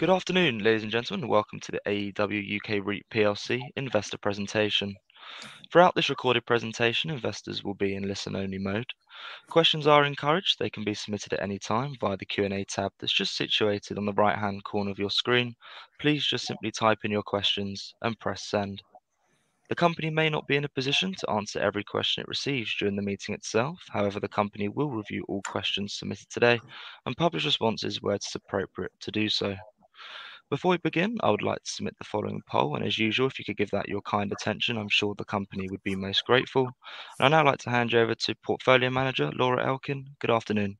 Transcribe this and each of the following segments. Good afternoon, ladies and gentlemen. Welcome to the AEW UK REIT plc investor presentation. Throughout this recorded presentation, investors will be in listen-only mode. Questions are encouraged. They can be submitted at any time via the Q&A tab that's just situated on the right-hand corner of your screen. Please just simply type in your questions and press send. The company may not be in a position to answer every question it receives during the meeting itself. The company will review all questions submitted today and publish responses where it's appropriate to do so. Before we begin, I would like to submit the following poll. As usual, if you could give that your kind attention, I'm sure the company would be most grateful. I'd now like to hand you over to Portfolio Manager, Laura Elkin. Good afternoon.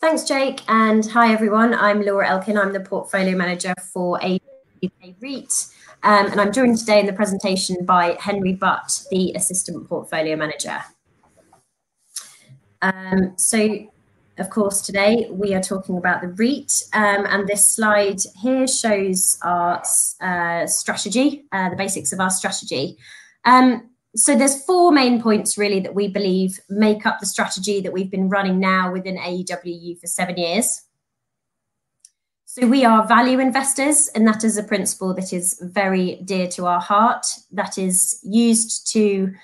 Thanks, Jake. Hi, everyone. I'm Laura Elkin. I'm the Portfolio Manager for AEW UK REIT. I'm joined today in the presentation by Henry Butt, the assistant portfolio manager. Of course, today we are talking about the REIT. This slide here shows our strategy, the basics of our strategy. There's four main points really that we believe make up the strategy that we've been running now within AEWU for seven years. We are value investors, and that is a principle that is very dear to our heart, that is used to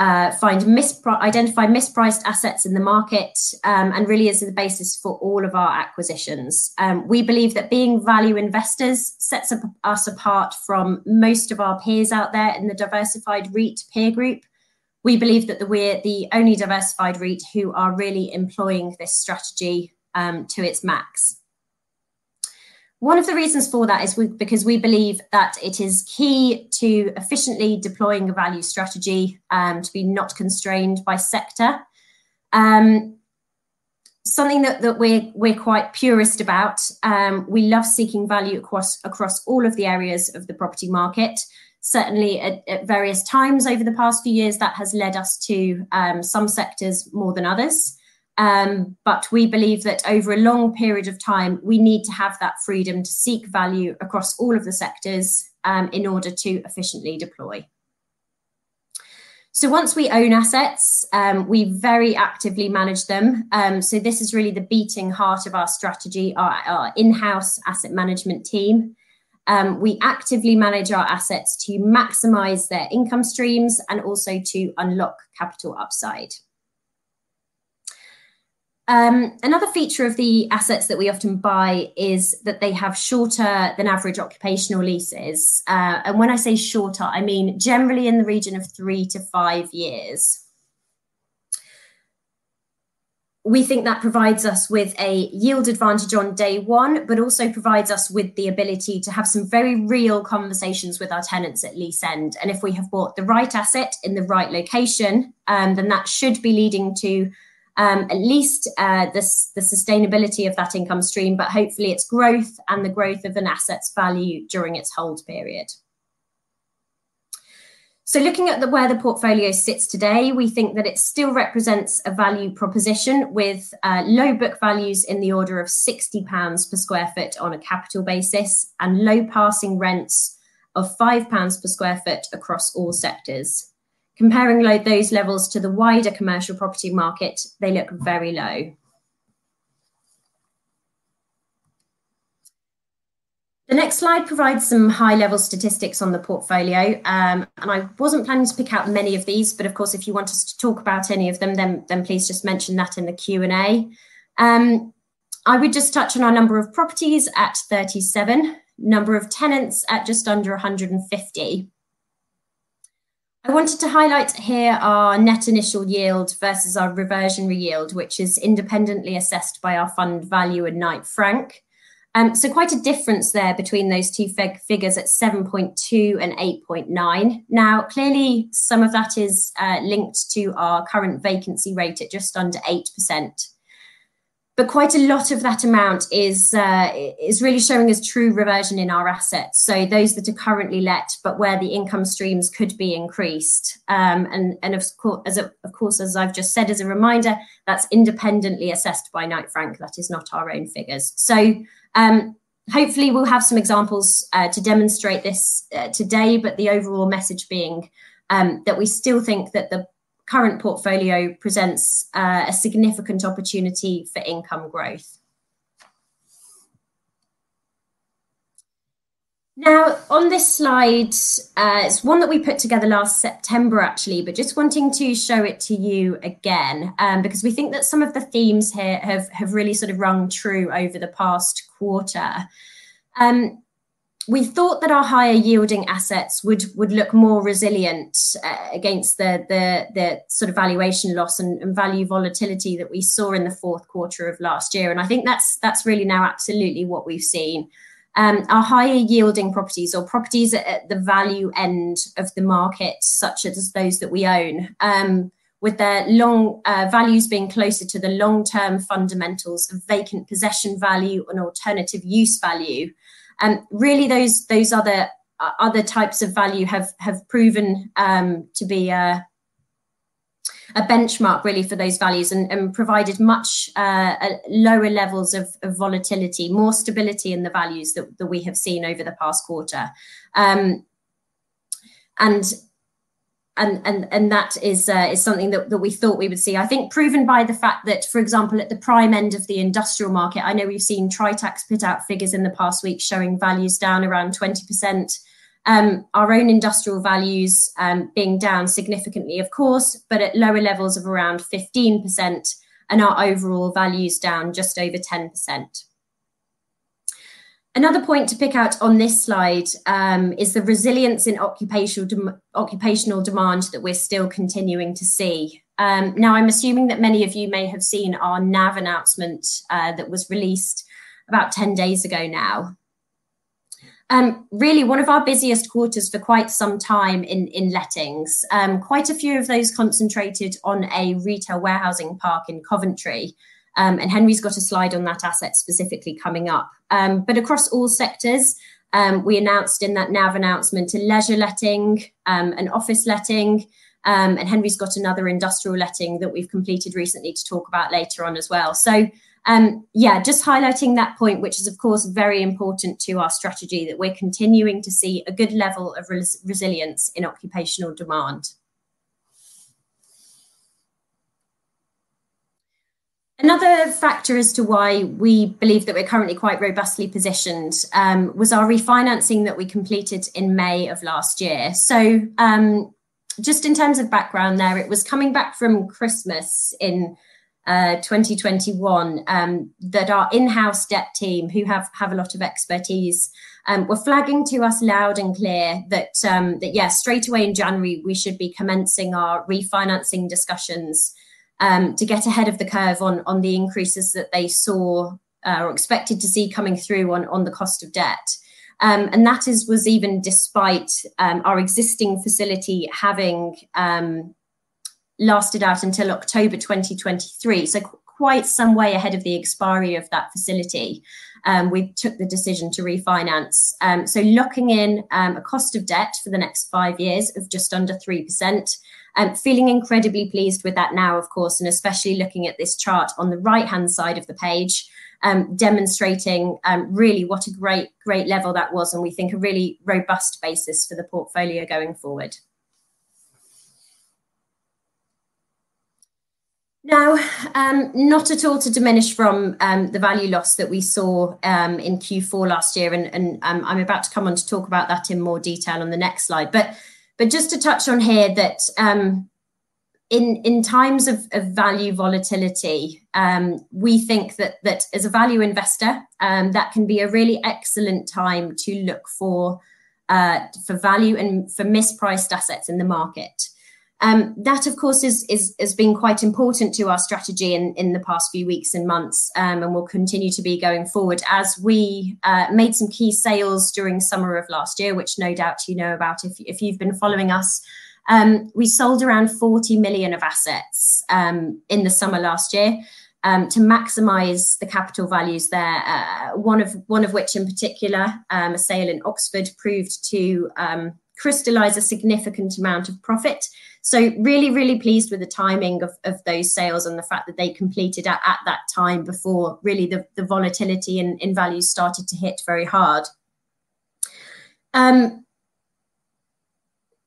identify mispriced assets in the market, and really is the basis for all of our acquisitions. We believe that being value investors sets us apart from most of our peers out there in the diversified REIT peer group. We believe that we're the only diversified REIT who are really employing this strategy to its max. One of the reasons for that is because we believe that it is key to efficiently deploying a value strategy to be not constrained by sector. Something that we're quite purist about, we love seeking value across all of the areas of the property market. Certainly at various times over the past few years, that has led us to some sectors more than others. But we believe that over a long period of time, we need to have that freedom to seek value across all of the sectors in order to efficiently deploy. Once we own assets, we very actively manage them. This is really the beating heart of our strategy, our in-house asset management team. We actively manage our assets to maximize their income streams and also to unlock capital upside. Another feature of the assets that we often buy is that they have shorter than average occupational leases. When I say shorter, I mean, generally in the region of three to five years. We think that provides us with a yield advantage on day one, but also provides us with the ability to have some very real conversations with our tenants at lease end. If we have bought the right asset in the right location, then that should be leading to, at least, the sustainability of that income stream, but hopefully its growth and the growth of an asset's value during its hold period. Looking at where the portfolio sits today, we think that it still represents a value proposition with low book values in the order of 60 pounds per sq ft on a capital basis and low passing rents of 5 pounds per sq ft across all sectors. Comparing like those levels to the wider commercial property market, they look very low. The next slide provides some high-level statistics on the portfolio. I wasn't planning to pick out many of these, but of course, if you want us to talk about any of them, then please just mention that in the Q&A. I would just touch on our number of properties at 37, number of tenants at just under 150. I wanted to highlight here our net initial yield versus our reversionary yield, which is independently assessed by our fund value at Knight Frank. Quite a difference there between those two figures at 7.2 and 8.9. Now, clearly, some of that is linked to our current vacancy rate at just under 8%. Quite a lot of that amount is really showing as true reversion in our assets. Those that are currently let, but where the income streams could be increased. Of course, as of course, as I've just said, as a reminder, that's independently assessed by Knight Frank. That is not our own figures. Hopefully we'll have some examples to demonstrate this today, the overall message being that we still think that the current portfolio presents a significant opportunity for income growth. On this slide, it's one that we put together last September actually, just wanting to show it to you again, because we think that some of the themes here have really sort of rung true over the past quarter. We thought that our higher yielding assets would look more resilient against the sort of valuation loss and value volatility that we saw in the fourth quarter of last year. I think that's really now absolutely what we've seen. Our higher yielding properties or properties at the value end of the market, such as those that we own, with their long, values being closer to the long-term fundamentals of vacant possession value and alternative use value. Really those other types of value have proven to be a benchmark really for those values and provided much lower levels of volatility, more stability in the values that we have seen over the past quarter. That is something that we thought we would see. I think proven by the fact that, for example, at the prime end of the industrial market, I know we've seen Tritax put out figures in the past week showing values down around 20%. Our own industrial values, being down significantly of course, but at lower levels of around 15%, and our overall value's down just over 10%. Another point to pick out on this slide, is the resilience in occupational demand that we're still continuing to see. Now I'm assuming that many of you may have seen our NAV announcement, that was released about 10 days ago now. Really one of our busiest quarters for quite some time in lettings. Quite a few of those concentrated on a retail warehousing park in Coventry. Henry's got a slide on that asset specifically coming up. Across all sectors, we announced in that NAV announcement a leisure letting, an office letting, and Henry's got another industrial letting that we've completed recently to talk about later on as well. Yeah, just highlighting that point, which is of course very important to our strategy, that we're continuing to see a good level of resilience in occupational demand. Another factor as to why we believe that we're currently quite robustly positioned, was our refinancing that we completed in May of last year. Just in terms of background there, it was coming back from Christmas in 2021, that our in-house debt team, who have a lot of expertise, were flagging to us loud and clear that yeah, straight away in January, we should be commencing our refinancing discussions to get ahead of the curve on the increases that they saw or expected to see coming through on the cost of debt. And that is, was even despite our existing facility having lasted out until October 2023, so quite some way ahead of the expiry of that facility, we took the decision to refinance. Locking in a cost of debt for the next five years of just under 3%. Feeling incredibly pleased with that now of course, and especially looking at this chart on the right-hand side of the page, demonstrating really what a great level that was, and we think a really robust basis for the portfolio going forward. Not at all to diminish from the value loss that we saw in Q4 last year and, I'm about to come on to talk about that in more detail on the next slide, but just to touch on here that in times of value volatility, we think that as a value investor, that can be a really excellent time to look for value and for mispriced assets in the market. That of course has been quite important to our strategy in the past few weeks and months and will continue to be going forward. We made some key sales during summer of last year, which no doubt you know about if you've been following us, we sold around 40 million of assets in the summer last year to maximize the capital values there. One of which in particular, a sale in Oxford, proved to crystallize a significant amount of profit. Really pleased with the timing of those sales and the fact that they completed at that time before really the volatility in values started to hit very hard.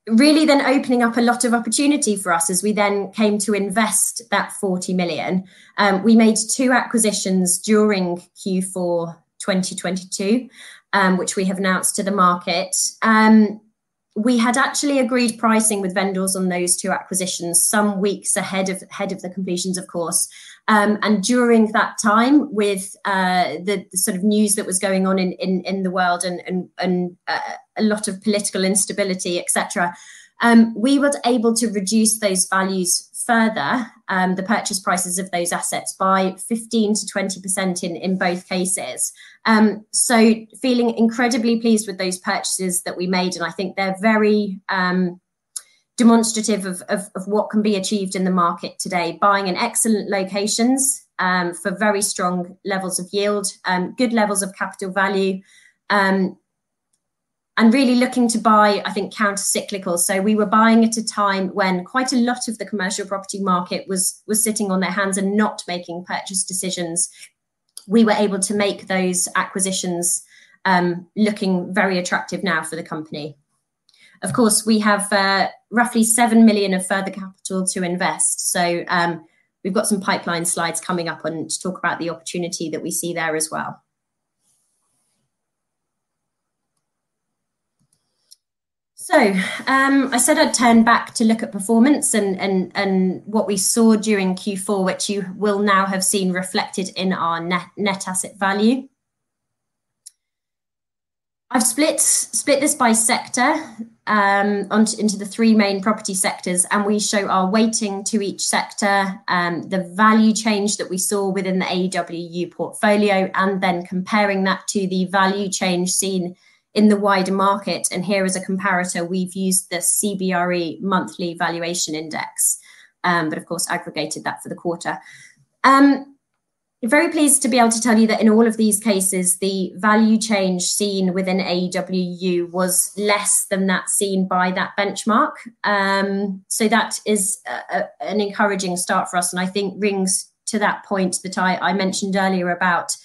Really opening up a lot of opportunity for us as we then came to invest that 40 million. We made two acquisitions during Q4 2022, which we have announced to the market. We had actually agreed pricing with vendors on those two acquisitions some weeks ahead of the completions of course. During that time with the sort of news that was going on in the world and a lot of political instability, et cetera, we were able to reduce those values further, the purchase prices of those assets by 15%-20% in both cases. Feeling incredibly pleased with those purchases that we made, and I think they're very demonstrative of what can be achieved in the market today, buying in excellent locations for very strong levels of yield, good levels of capital value, and really looking to buy, I think, countercyclical. We were buying at a time when quite a lot of the commercial property market was sitting on their hands and not making purchase decisions. We were able to make those acquisitions looking very attractive now for the company. Of course, we have roughly 7 million of further capital to invest. We've got some pipeline slides coming up on, to talk about the opportunity that we see there as well. I said I'd turn back to look at performance and what we saw during Q4, which you will now have seen reflected in our net asset value. I've split this by sector into the three main property sectors, and we show our weighting to each sector, the value change that we saw within the AEWU portfolio, and then comparing that to the value change seen in the wider market. Here as a comparator, we've used the CBRE Monthly Valuation Index, of course aggregated that for the quarter. Very pleased to be able to tell you that in all of these cases, the value change seen within AEWU was less than that seen by that benchmark. That is an encouraging start for us, and I think rings to that point that I mentioned earlier about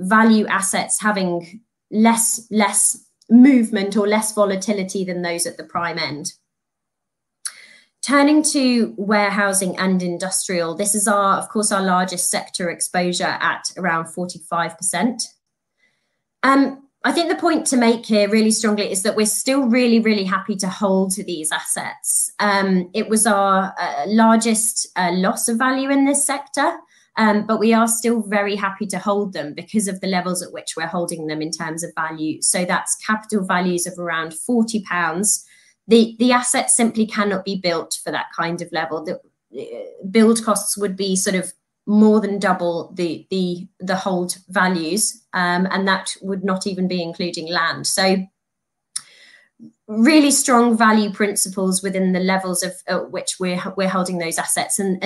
value assets having less movement or less volatility than those at the prime end. Turning to warehousing and industrial, this is our, of course, our largest sector exposure at around 45%. I think the point to make here really strongly is that we're still really happy to hold to these assets. It was our largest loss of value in this sector. We are still very happy to hold them because of the levels at which we're holding them in terms of value. That's capital values of around 40 pounds. The assets simply cannot be built for that kind of level. The build costs would be sort of more than double the hold values. That would not even be including land. Really strong value principles within the levels of, at which we're holding those assets and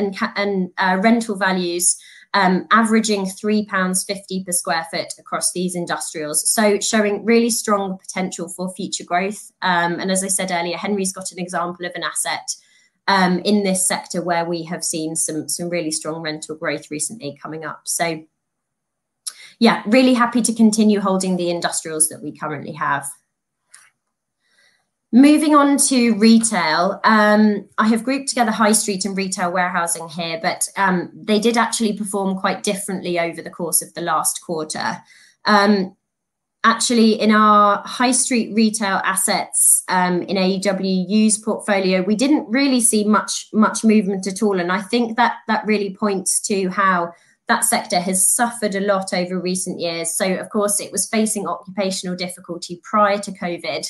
rental values averaging 3.50 pounds per sq ft across these industrials, showing really strong potential for future growth. As I said earlier, Henry's got an example of an asset in this sector where we have seen some really strong rental growth recently coming up. Really happy to continue holding the industrials that we currently have. Moving on to retail, I have grouped together high street and retail warehousing here. They did actually perform quite differently over the course of the last quarter. Actually, in our high street retail assets, in AEWU's portfolio, we didn't really see much movement at all, and I think that really points to how that sector has suffered a lot over recent years. Of course, it was facing occupational difficulty prior to COVID,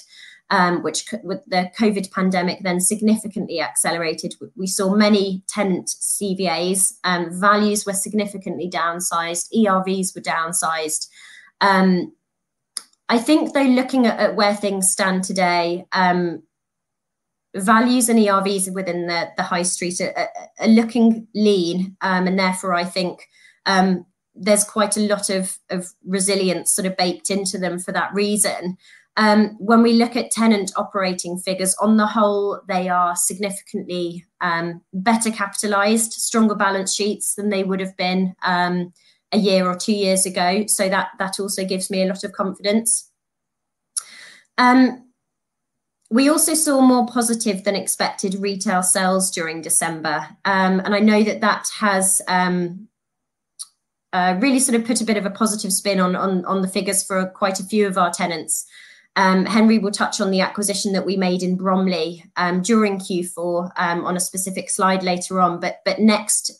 with the COVID pandemic then significantly accelerated. We saw many tenant CVAs, values were significantly downsized, ERVs were downsized. I think though, looking at where things stand today, values and ERVs within the high street are looking lean. Therefore, I think there's quite a lot of resilience sort of baked into them for that reason. When we look at tenant operating figures, on the whole, they are significantly better capitalized, stronger balance sheets than they would have been one or two years ago. That also gives me a lot of confidence. We also saw more positive than expected retail sales during December. I know that that has really sort of put a bit of a positive spin on the figures for quite a few of our tenants. Henry will touch on the acquisition that we made in Bromley during Q4 on a specific slide later on. Next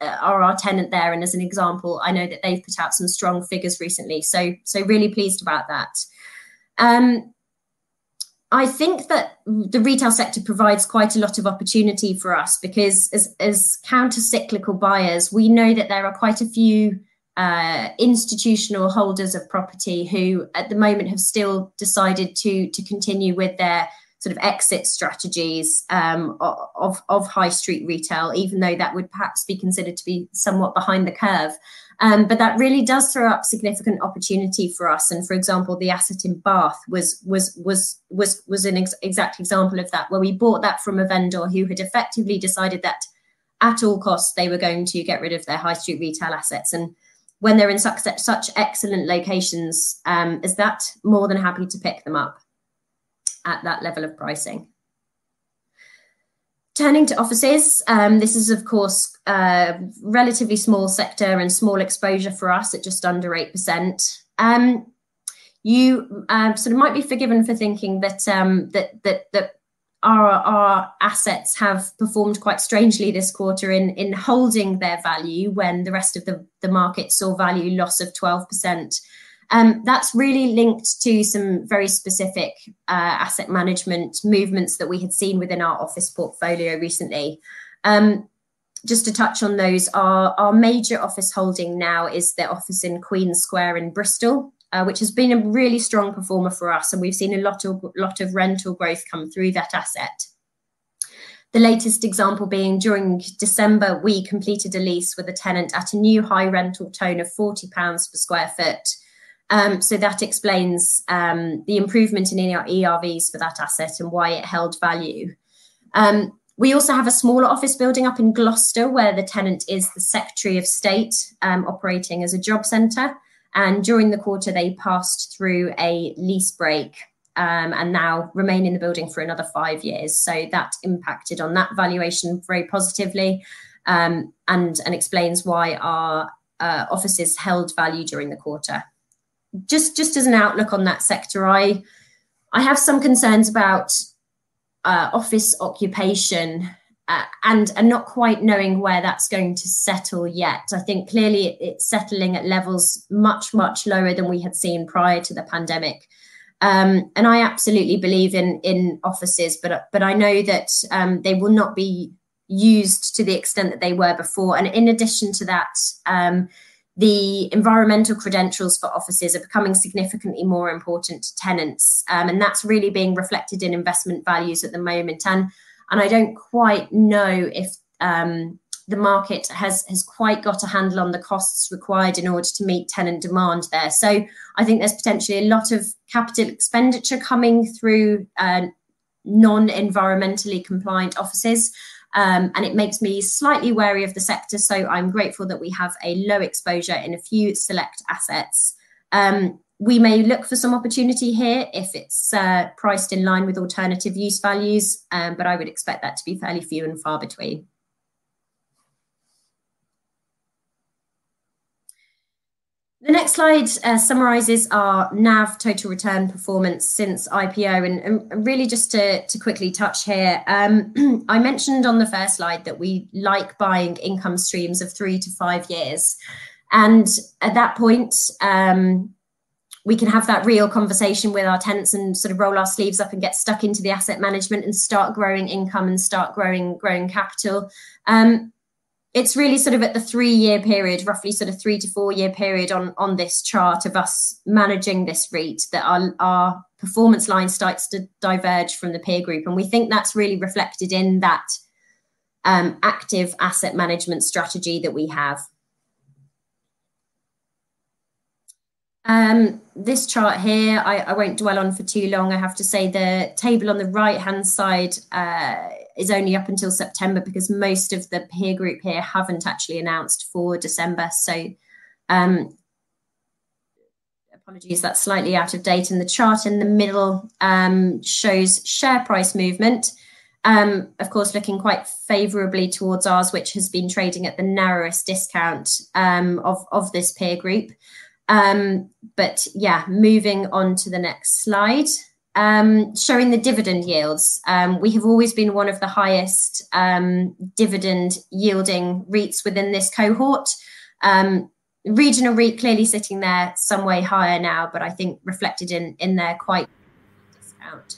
are our tenant there, and as an example, I know that they've put out some strong figures recently, so really pleased about that. I think that the retail sector provides quite a lot of opportunity for us because as countercyclical buyers, we know that there are quite a few institutional holders of property who at the moment have still decided to continue with their sort of exit strategies, high street retail, even though that would perhaps be considered to be somewhat behind the curve. That really does throw up significant opportunity for us. For example, the asset in Bath was an exact example of that, where we bought that from a vendor who had effectively decided that at all costs, they were going to get rid of their high street retail assets. When they're in such excellent locations, as that, more than happy to pick them up at that level of pricing. Turning to offices, this is of course a relatively small sector and small exposure for us at just under 8%. You sort of might be forgiven for thinking that our assets have performed quite strangely this quarter in holding their value when the rest of the market saw value loss of 12%. That's really linked to some very specific asset management movements that we had seen within our office portfolio recently. Just to touch on those, our major office holding now is the office in Queen's Square in Bristol, which has been a really strong performer for us, and we've seen a lot of rental growth come through that asset. The latest example being during December, we completed a lease with a tenant at a new high rental tone of 40 pounds per sq ft. That explains the improvement in our ERVs for that asset and why it held value. We also have a smaller office building up in Gloucester, where the tenant is the Secretary of State, operating as a job center. During the quarter, they passed through a lease break and now remain in the building for another five years. That impacted on that valuation very positively and explains why our offices held value during the quarter. Just as an outlook on that sector, I have some concerns about office occupation and not quite knowing where that's going to settle yet. I think clearly it's settling at levels much, much lower than we had seen prior to the pandemic. I absolutely believe in offices, but I know that they will not be used to the extent that they were before. In addition to that, the environmental credentials for offices are becoming significantly more important to tenants. That's really being reflected in investment values at the moment. I don't quite know if the market has quite got a handle on the costs required in order to meet tenant demand there. I think there's potentially a lot of Capital Expenditure coming through non-environmentally compliant offices. It makes me slightly wary of the sector, so I'm grateful that we have a low exposure and a few select assets. We may look for some opportunity here if it's priced in line with alternative use values. I would expect that to be fairly few and far between. The next slide summarizes our NAV total return performance since IPO and really just to quickly touch here. I mentioned on the first slide that we like buying income streams of 3 to 5 years. At that point, we can have that real conversation with our tenants and sort of roll our sleeves up and get stuck into the asset management and start growing income and start growing capital. It's really sort of at the three-year period, roughly sort of three to four year period on this chart of us managing this REIT that our performance line starts to diverge from the peer group, and we think that's really reflected in that active asset management strategy that we have. This chart here, I won't dwell on for too long. I have to say the table on the right-hand side is only up until September because most of the peer group here haven't actually announced for December. Apologies that's slightly out of date. The chart in the middle shows share price movement. Of course looking quite favorably towards ours which has been trading at the narrowest discount of this peer group. Moving on to the next slide showing the dividend yields. We have always been one of the highest dividend yielding REITs within this cohort. Regional REIT clearly sitting there some way higher now, I think reflected in their quite discount.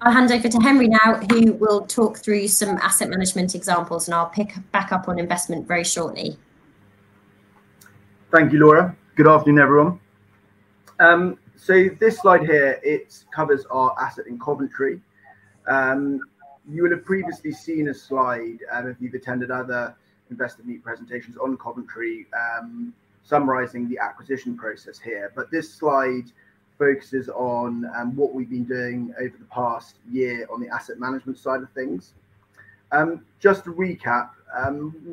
I'll hand over to Henry now, who will talk through some asset management examples, and I'll pick back up on investment very shortly. Thank you, Laura. Good afternoon, everyone. This slide here, it covers our asset in Coventry. You would have previously seen a slide, if you've attended other investor meet presentations on Coventry, summarizing the acquisition process here. This slide focuses on what we've been doing over the past year on the asset management side of things. Just to recap,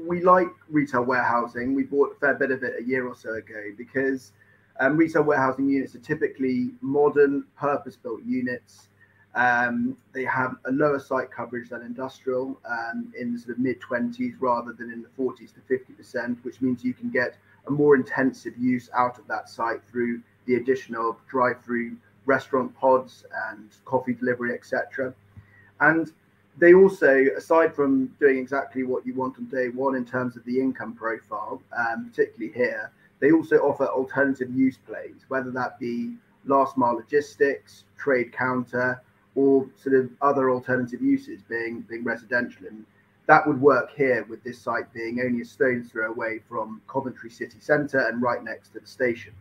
we like retail warehousing. We bought a fair bit of it a year or so ago because retail warehousing units are typically modern purpose-built units. They have a lower site coverage than industrial, in the sort of mid-20s rather than in the 40%-50%, which means you can get a more intensive use out of that site through the addition of drive-through restaurant pods and coffee delivery, et cetera. They also, aside from doing exactly what you want on day one in terms of the income profile, particularly here, they also offer alternative use plays, whether that be last mile logistics, trade counter or sort of other alternative uses being residential. That would work here with this site being only a stone's throw away from Coventry City Center and right next to the station.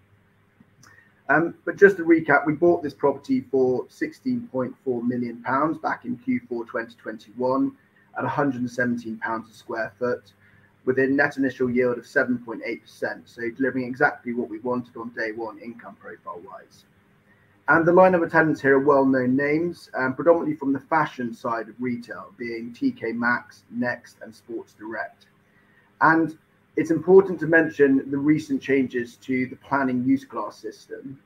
Just to recap, we bought this property for 16.4 million pounds back in Q4 2021 at 117 pounds a sq ft with a net initial yield of 7.8%, so delivering exactly what we wanted on day one income profile-wise. The line of attendance here are well-known names, predominantly from the fashion side of retail, being TK Maxx, NEXT, and Sports Direct. It's important to mention the recent changes to the planning use class system,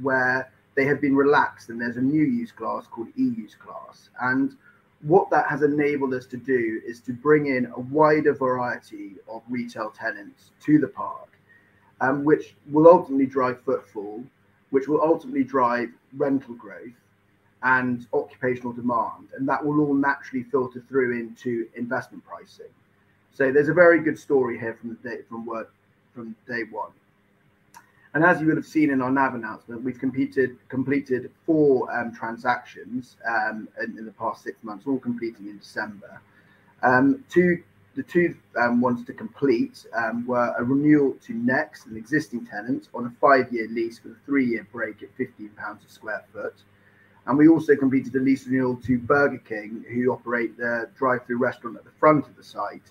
where they have been relaxed, and there's a new use class called Use Class E. What that has enabled us to do is to bring in a wider variety of retail tenants to the park, which will ultimately drive footfall, which will ultimately drive rental growth and occupational demand, and that will all naturally filter through into investment pricing. There's a very good story here from day one. As you would have seen in our NAV announcement, we've completed four transactions in the past six months, all completing in December. The two ones to complete were a renewal to Next, an existing tenant, on a five-year lease with a three-year break at 15 pounds a square foot. We also completed a lease renewal to Burger King, who operate the drive-through restaurant at the front of the site,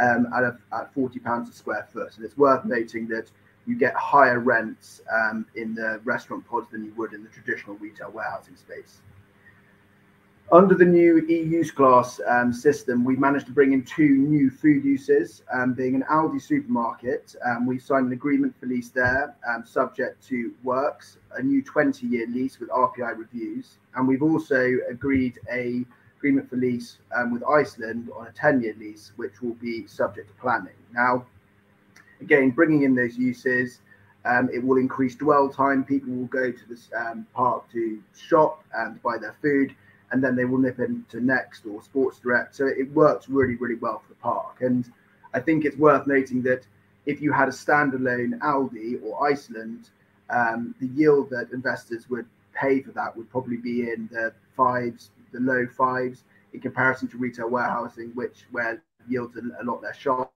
at 40 pounds a square foot. It's worth noting that you get higher rents in the restaurant pods than you would in the traditional retail warehousing space. Under the new E-Use Class system, we managed to bring in two new food uses, being an Aldi supermarket, we signed an agreement for lease there, subject to works, a new 20-year lease with RPI reviews. We've also agreed a agreement for lease with Iceland on a 10-year lease, which will be subject to planning. Now, again, bringing in those uses, it will increase dwell time. People will go to this park to shop and buy their food, and then they will nip into Next or Sports Direct. It works really, really well for the park. I think it's worth noting that if you had a standalone Aldi or Iceland, the yield that investors would pay for that would probably be in the 5s, the low 5s, in comparison to retail warehousing, which where yields are a lot less sharp.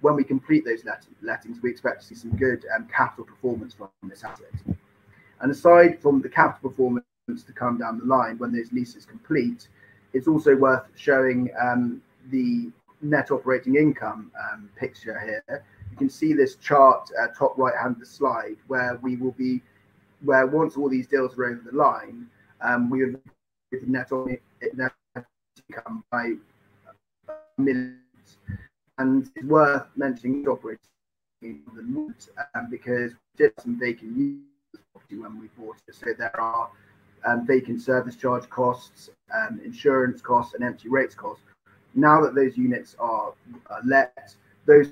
When we complete those lettings, we expect to see some good capital performance from this asset. Aside from the capital performance to come down the line when those leases complete, it's also worth showing the net operating income picture here. You can see this chart at top right-hand of the slide where once all these deals are over the line, it's net only, it now by millions. It's worth mentioning operating the moods because different vacant use when we bought it, so there are vacant service charge costs and insurance costs and empty rates costs. Now that those units are let, those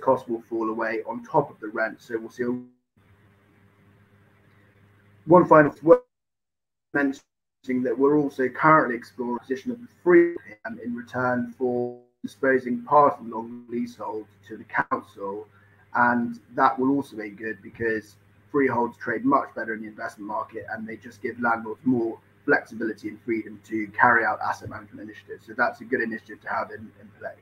costs will fall away on top of the rent, we'll see. One final mention that we're also currently exploring the position of the freehold in return for disposing part of the long leasehold to the council and that will also be good because freeholds trade much better in the investment market, and they just give landlords more flexibility and freedom to carry out asset management initiatives. That's a good initiative to have in play.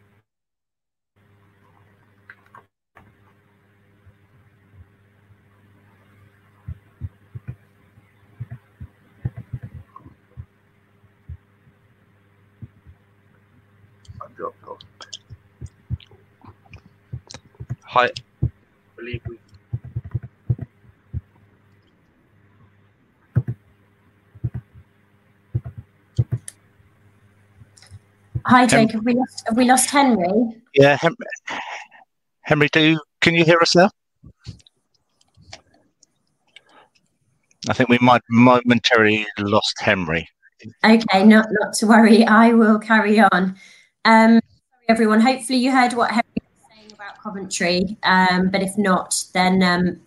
I've dropped off. Hi, Jake. Have we lost Henry? Yeah, Henry. Can you hear us now? I think we might momentarily lost Henry. Okay. Not, not to worry. I will carry on. Everyone, hopefully you heard what Henry was saying about Coventry. If not, then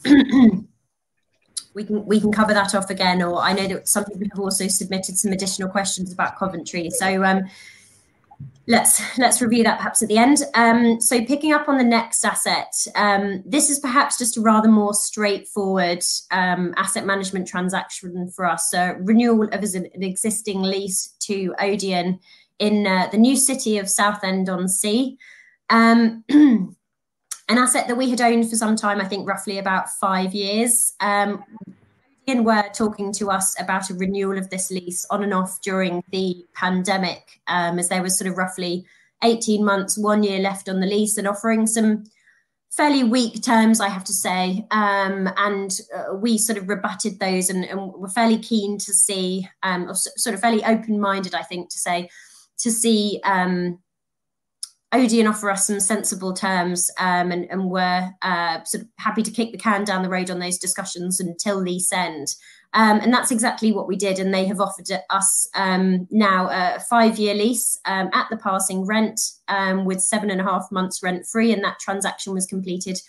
we can cover that off again, or I know that some people have also submitted some additional questions about Coventry. Let's review that perhaps at the end. Picking up on the next asset, this is perhaps just a rather more straightforward asset management transaction for us. Renewal of an existing lease to ODEON in the new city of Southend-on-Sea. An asset that we had owned for some time, I think roughly about five years. ODEON were talking to us about a renewal of this lease on and off during the pandemic, as there was sort of roughly 18 months, one year left on the lease and offering some fairly weak terms, I have to say. We sort of rebutted those and were fairly keen to see, or sort of fairly open-minded, I think, to say, to see ODEON offer us some sensible terms. Were sort of happy to kick the can down the road on those discussions until lease end. That's exactly what we did, and they have offered us now a five-year lease at the passing rent with seven and a half months rent-free, and that transaction was completed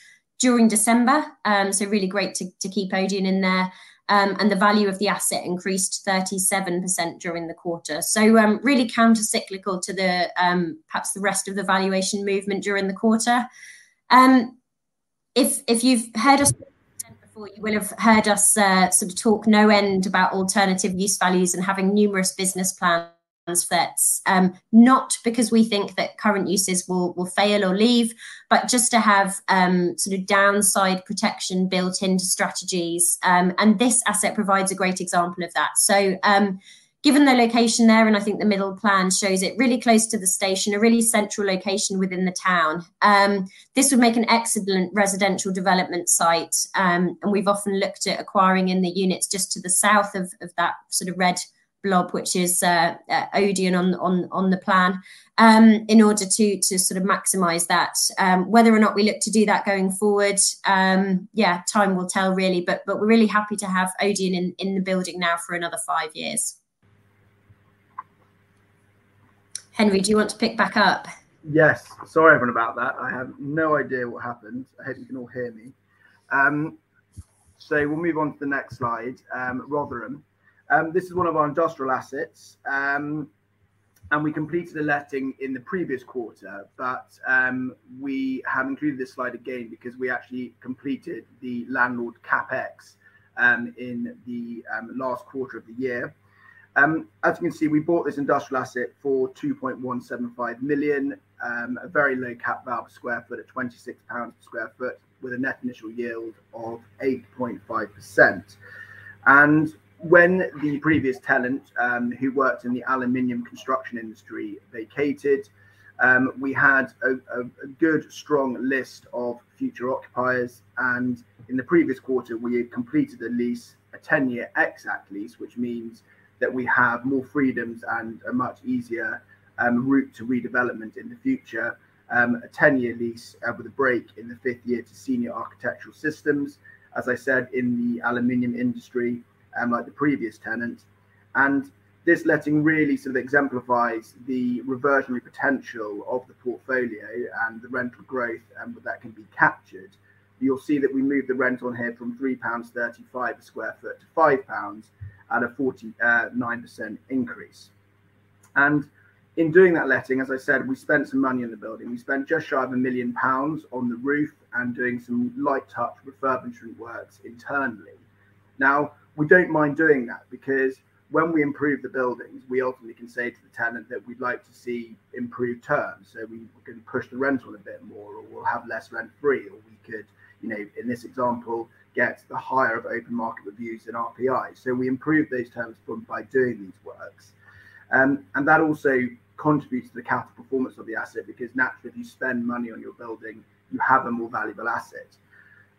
during December. Really great to keep ODEON in there. The value of the asset increased 37% during the quarter. Really countercyclical to the, perhaps the rest of the valuation movement during the quarter. If, if you've heard us before, you will have heard us sort of talk no end about alternative use values and having numerous business plans. That's not because we think that current uses will fail or leave, but just to have sort of downside protection built into strategies, and this asset provides a great example of that. Given the location there, and I think the middle plan shows it really close to the station, a really central location within the town, this would make an excellent residential development site. We've often looked at acquiring in the units just to the south of that sort of red blob, which is ODEON on the plan, in order to sort of maximize that. Whether or not we look to do that going forward, yeah, time will tell really. We're really happy to have ODEON in the building now for another five years. Henry, do you want to pick back up? Yes. Sorry, everyone, about that. I have no idea what happened. I hope you can all hear me. We'll move on to the next slide, Rotherham. This is one of our industrial assets, we completed a letting in the previous quarter. We have included this slide again because we actually completed the landlord CapEx in the last quarter of the year. As you can see, we bought this industrial asset for 2.175 million, a very low cap valve per sq ft at 26 pounds a sq ft with a net initial yield of 8.5%. When the previous tenant, who worked in the aluminum construction industry vacated, we had a good strong list of future occupiers, and in the previous quarter, we had completed a lease, a 10-year exit lease, which means that we have more freedoms and a much easier route to redevelopment in the future. A 10-year lease, with a break in the fifth year to Senior Architectural Systems, as I said, in the aluminum industry, like the previous tenant. This letting really sort of exemplifies the reversionary potential of the portfolio and the rental growth that can be captured. You'll see that we moved the rent on here from 3.35 pounds a square foot to 5 pounds at a 49% increase. In doing that letting, as I said, we spent some money in the building. We spent just shy of 1 million pounds on the roof and doing some light touch refurbishment works internally. We don't mind doing that because when we improve the buildings, we ultimately can say to the tenant that we'd like to see improved terms, so we can push the rent on a bit more or we'll have less rent-free or we could, you know, in this example, get the higher of open market reviews and RPI. We improve those terms from, by doing these works. That also contributes to the capital performance of the asset because naturally if you spend money on your building, you have a more valuable asset.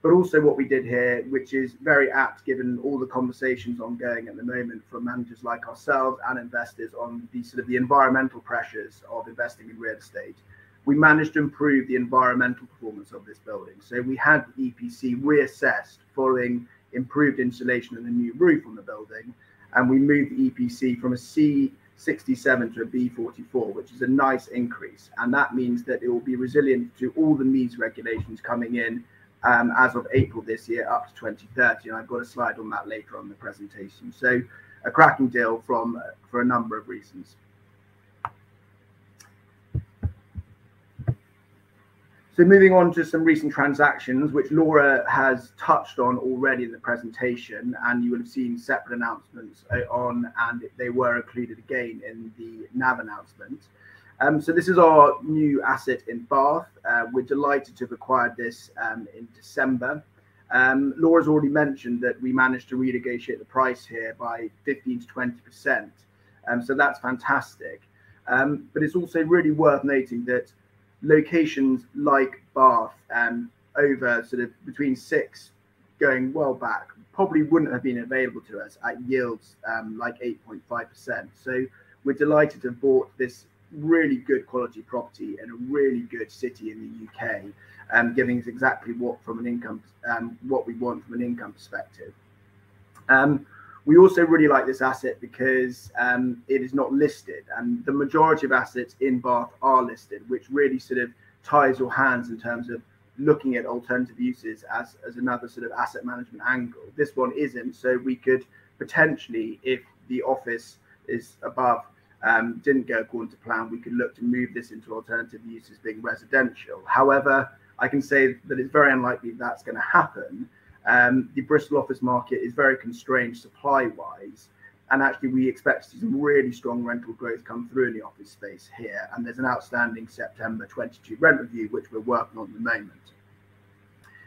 What we did here, which is very apt given all the conversations ongoing at the moment from managers like ourselves and investors on the sort of the environmental pressures of investing in real estate, we managed to improve the environmental performance of this building. We had the EPC reassessed following improved insulation and a new roof on the building, and we moved the EPC from a C 67 to a B 44, which is a nice increase. That means that it will be resilient to all the MEES regulations coming in as of April this year up to 2030. I've got a slide on that later on in the presentation. A cracking deal from, for a number of reasons. Moving on to some recent transactions, which Laura has touched on already in the presentation, and you will have seen separate announcements on, and they were included again in the NAV announcement. This is our new asset in Bath. We're delighted to have acquired this in December. Laura's already mentioned that we managed to renegotiate the price here by 15%-20%, that's fantastic. It's also really worth noting that locations like Bath, over sort of between six going well back probably wouldn't have been available to us at yields, like 8.5%. We're delighted to have bought this really good quality property in a really good city in the U.K., giving us exactly what from an income perspective. We also really like this asset because it is not listed, and the majority of assets in Bath are listed, which really sort of ties your hands in terms of looking at alternative uses as another sort of asset management angle. This one isn't, so we could potentially, if the office is above, didn't go according to plan, we could look to move this into alternative uses being residential. However, I can say that it's very unlikely that's going to happen. The Bristol office market is very constrained supply-wise, and actually we expect to see some really strong rental growth come through in the office space here, and there's an outstanding September 2022 rent review, which we're working on at the moment.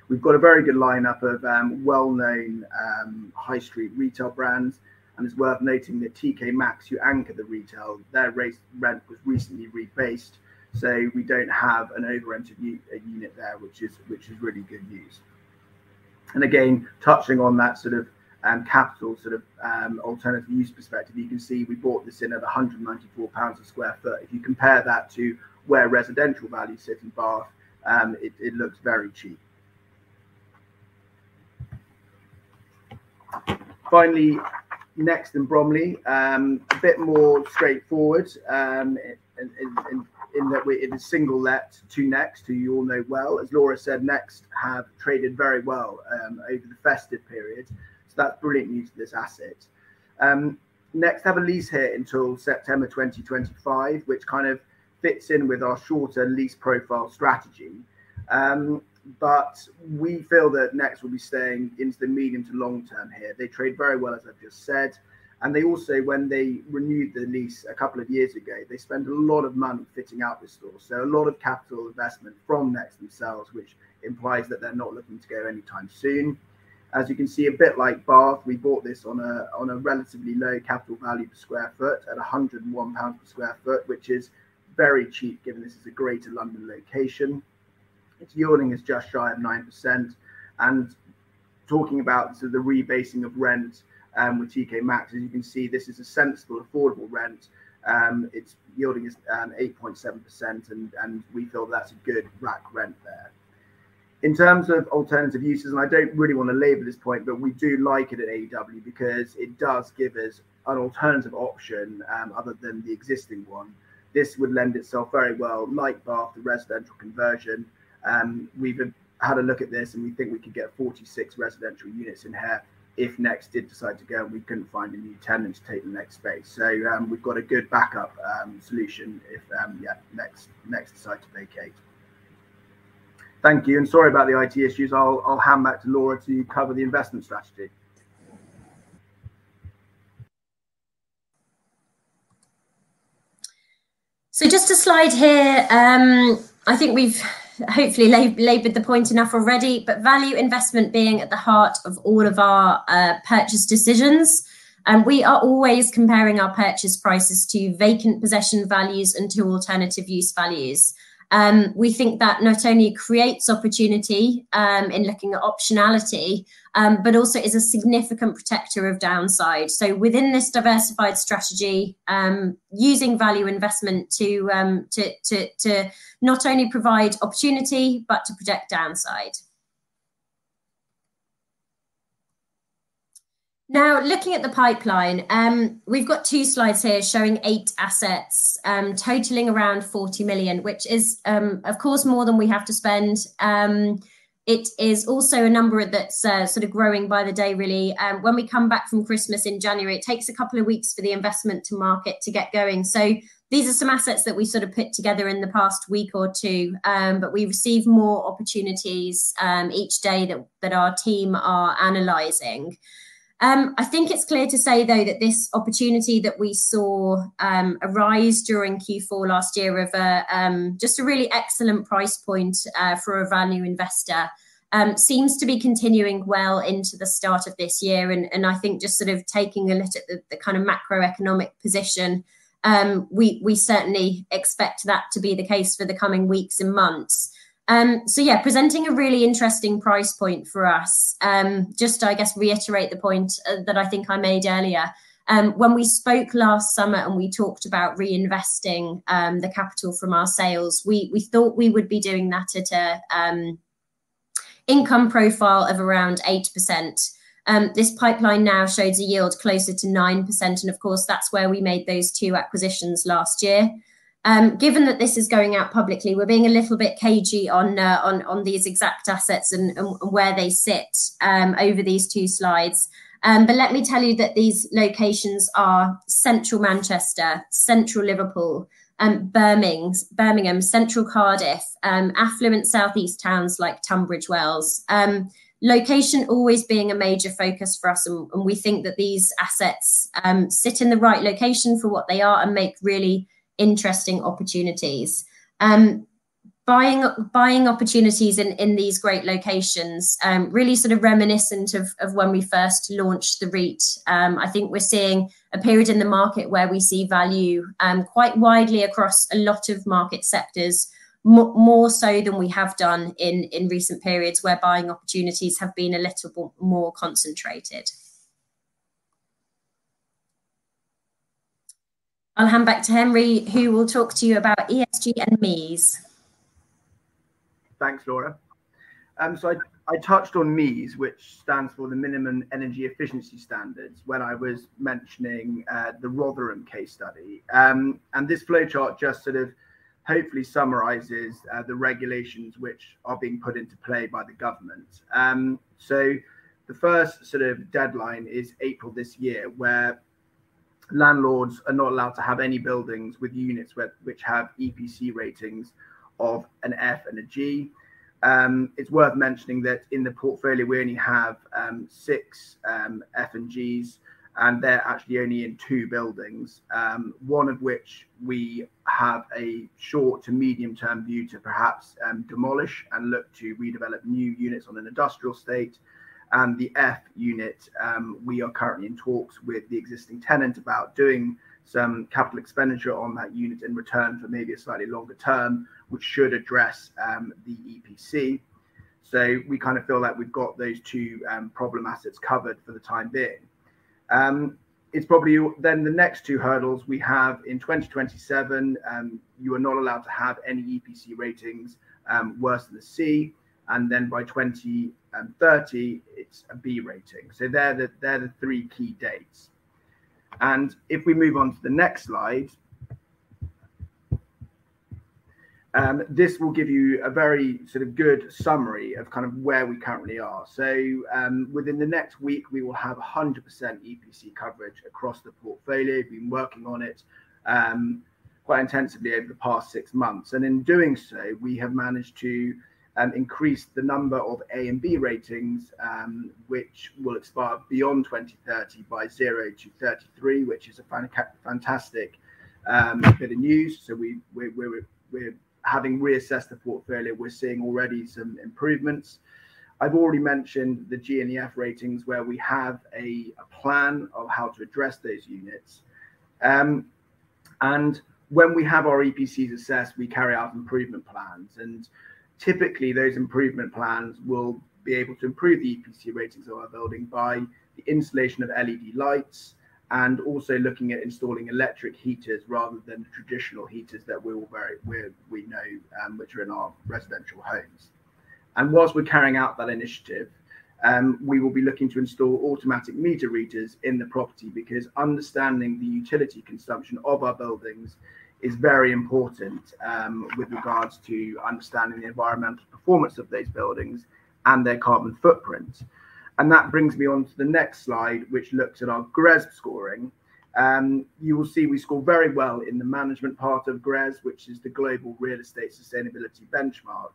We've got a very good line up of well-known high street retail brands. It's worth noting that TK Maxx who anchor the retail, their rent was recently rebased. We don't have an over rented unit there, which is really good news. Again, touching on that sort of capital sort of alternative use perspective, you can see we bought this in at 194 pounds a sq ft. If you compare that to where residential value sits in Bath, it looks very cheap. Finally, next in Bromley, a bit more straightforward in that it is single let to Next, who you all know well. As Laura said, next have traded very well over the festive period, so that's brilliant news for this asset. Next have a lease here until September 2025, which kind of fits in with our shorter lease profile strategy. We feel that Next will be staying into the medium to long term here. They trade very well, as I've just said, and they also, when they renewed the lease a couple of years ago, they spent a lot of money fitting out this store. A lot of capital investment from Next themselves, which implies that they're not looking to go anytime soon. As you can see, a bit like Bath, we bought this on a relatively low capital value per sq ft at 101 pounds per sq ft, which is very cheap given this is a Greater London location. Its yielding is just shy of 9%. Talking about sort of the rebasing of rent, with TK Maxx, as you can see, this is a sensible, affordable rent. Its yielding is 8.7% and we feel that's a good rack rent there. In terms of alternative uses, I don't really wanna labor this point, but we do like it at AEW UK REIT because it does give us an alternative option, other than the existing one. This would lend itself very well, like Bath, to residential conversion. We've had a look at this, and we think we could get 46 residential units in here if Next did decide to go and we couldn't find a new tenant to take the Next space. We've got a good backup solution if, yeah, Next decide to vacate. Thank you. Sorry about the IT issues. I'll hand back to Laura to cover the investment strategy. Just a slide here. I think we've hopefully labored the point enough already. Value investment being at the heart of all of our purchase decisions, we are always comparing our purchase prices to vacant possession values and to alternative use values. We think that not only creates opportunity in looking at optionality, but also is a significant protector of downside. Within this diversified strategy, using value investment to not only provide opportunity but to protect downside. Looking at the pipeline, we've got two slides here showing eight assets, totaling around 40 million, which is of course more than we have to spend. It is also a number that's sort of growing by the day really. When we come back from Christmas in January, it takes a couple of weeks for the investment to market to get going. These are some assets that we sort of put together in the past week or two. We receive more opportunities, each day that our team are analyzing. I think it's clear to say, though, that this opportunity that we saw arise during Q4 last year of a just a really excellent price point, for a value investor, seems to be continuing well into the start of this year. I think just sort of taking a look at the kind of macroeconomic position, we certainly expect that to be the case for the coming weeks and months. Yeah, presenting a really interesting price point for us. Just to, I guess, reiterate the point that I think I made earlier, when we spoke last summer and we talked about reinvesting the capital from our sales, we thought we would be doing that at an income profile of around 8%. This pipeline now shows a yield closer to 9%. Of course, that's where we made those 2 acquisitions last year. Given that this is going out publicly, we're being a little bit cagey on these exact assets and where they sit over these two slides. Let me tell you that these locations are Central Manchester, Central Liverpool, Birmingham, Central Cardiff, affluent southeast towns like Tunbridge Wells. Location always being a major focus for us and we think that these assets sit in the right location for what they are and make really interesting opportunities. Buying opportunities in these great locations really sort of reminiscent of when we first launched the REIT. I think we're seeing a period in the market where we see value quite widely across a lot of market sectors, more so than we have done in recent periods, where buying opportunities have been a little more concentrated. I'll hand back to Henry, who will talk to you about ESG and MEES. Thanks, Laura. I touched on MEES, which stands for the Minimum Energy Efficiency Standards when I was mentioning the Rotherham case study. This flowchart just sort of hopefully summarizes the regulations which are being put into play by the government. The first sort of deadline is April this year, where landlords are not allowed to have any buildings with units which have EPC ratings of an F and a G. It's worth mentioning that in the portfolio we only have six F and Gs, and they're actually only in two buildings. One of which we have a short to medium term view to perhaps demolish and look to redevelop new units on an industrial state. The F unit, we are currently in talks with the existing tenant about doing some Capital Expenditure on that unit in return for maybe a slightly longer term, which should address the EPC. We kind of feel like we've got those two problem assets covered for the time being. It's probably then the next two hurdles we have in 2027, you are not allowed to have any EPC ratings worse than a C, and then by 2030, it's a B rating. They're the three key dates. If we move on to the next slide, this will give you a very sort of good summary of kind of where we currently are. Within the next week, we will have 100% EPC coverage across the portfolio. We've been working on it quite intensively over the past six months. In doing so, we have managed to increase the number of A and B ratings, which will expire beyond 2030 by 0-33, which is a fantastic bit of news. We're having reassessed the portfolio, we're seeing already some improvements. I've already mentioned the G and the F ratings where we have a plan of how to address those units. When we have our EPCs assessed, we carry out improvement plans, and typically, those improvement plans will be able to improve the EPC ratings of our building by the installation of LED lights and also looking at installing electric heaters rather than traditional heaters that we all know, which are in our residential homes. Whilst we're carrying out that initiative, we will be looking to install automatic meter readers in the property because understanding the utility consumption of our buildings is very important with regards to understanding the environmental performance of those buildings and their carbon footprint. That brings me on to the next slide, which looks at our GRESB scoring. You will see we score very well in the management part of GRESB, which is the Global Real Estate Sustainability Benchmark.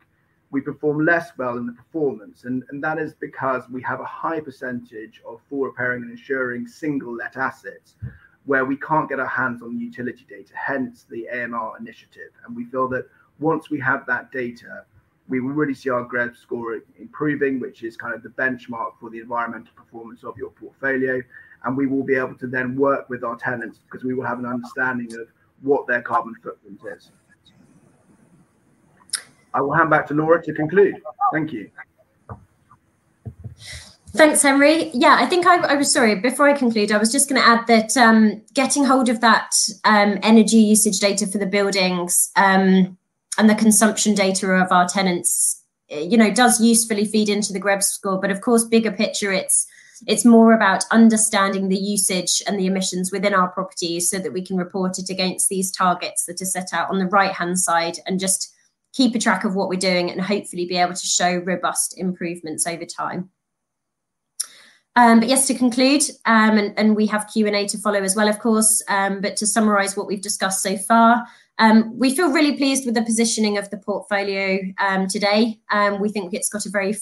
We perform less well in the performance, and that is because we have a high percentage of full repairing and insuring single let assets where we can't get our hands on the utility data, hence the AMR initiative. We feel that once we have that data, we will really see our GRESB score improving, which is kind of the benchmark for the environmental performance of your portfolio, and we will be able to then work with our tenants because we will have an understanding of what their carbon footprint is. I will hand back to Laura to conclude. Thank you. Thanks, Henry. Yeah, I think I. Sorry, before I conclude, I was just gonna add that getting hold of that energy usage data for the buildings, and the consumption data of our tenants, you know, does usefully feed into the GRESB score. Of course, bigger picture, it's more about understanding the usage and the emissions within our properties so that we can report it against these targets that are set out on the right-hand side and just keeping track of what we're doing and hopefully be able to show robust improvements over time. Yes, to conclude, and we have Q&A to follow as well, of course. To summarize what we've discussed so far, we feel really pleased with the positioning of the portfolio today. We think it's got a very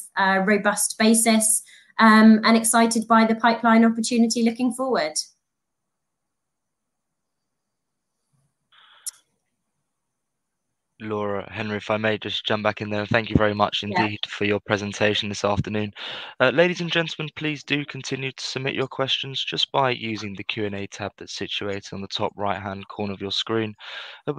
robust basis, and excited by the pipeline opportunity looking forward. Laura, Henry, if I may just jump back in there. Thank you very much indeed for your presentation this afternoon. Ladies and gentlemen, please do continue to submit your questions just by using the Q&A tab that's situated on the top right-hand corner of your screen.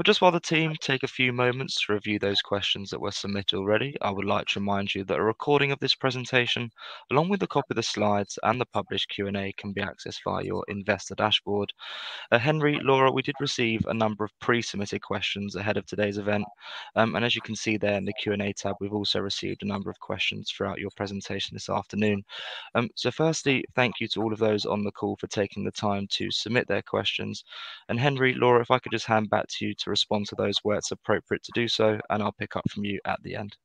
Just while the team take a few moments to review those questions that were submitted already, I would like to remind you that a recording of this presentation, along with a copy of the slides and the published Q&A, can be accessed via your investor dashboard. Henry, Laura, we did receive a number of pre-submitted questions ahead of today's event. As you can see there in the Q&A tab, we've also received a number of questions throughout your presentation this afternoon. Firstly, thank you to all of those on the call for taking the time to submit their questions. Henry, Laura, if I could just hand back to you to respond to those where it's appropriate to do so, and I'll pick up from you at the end.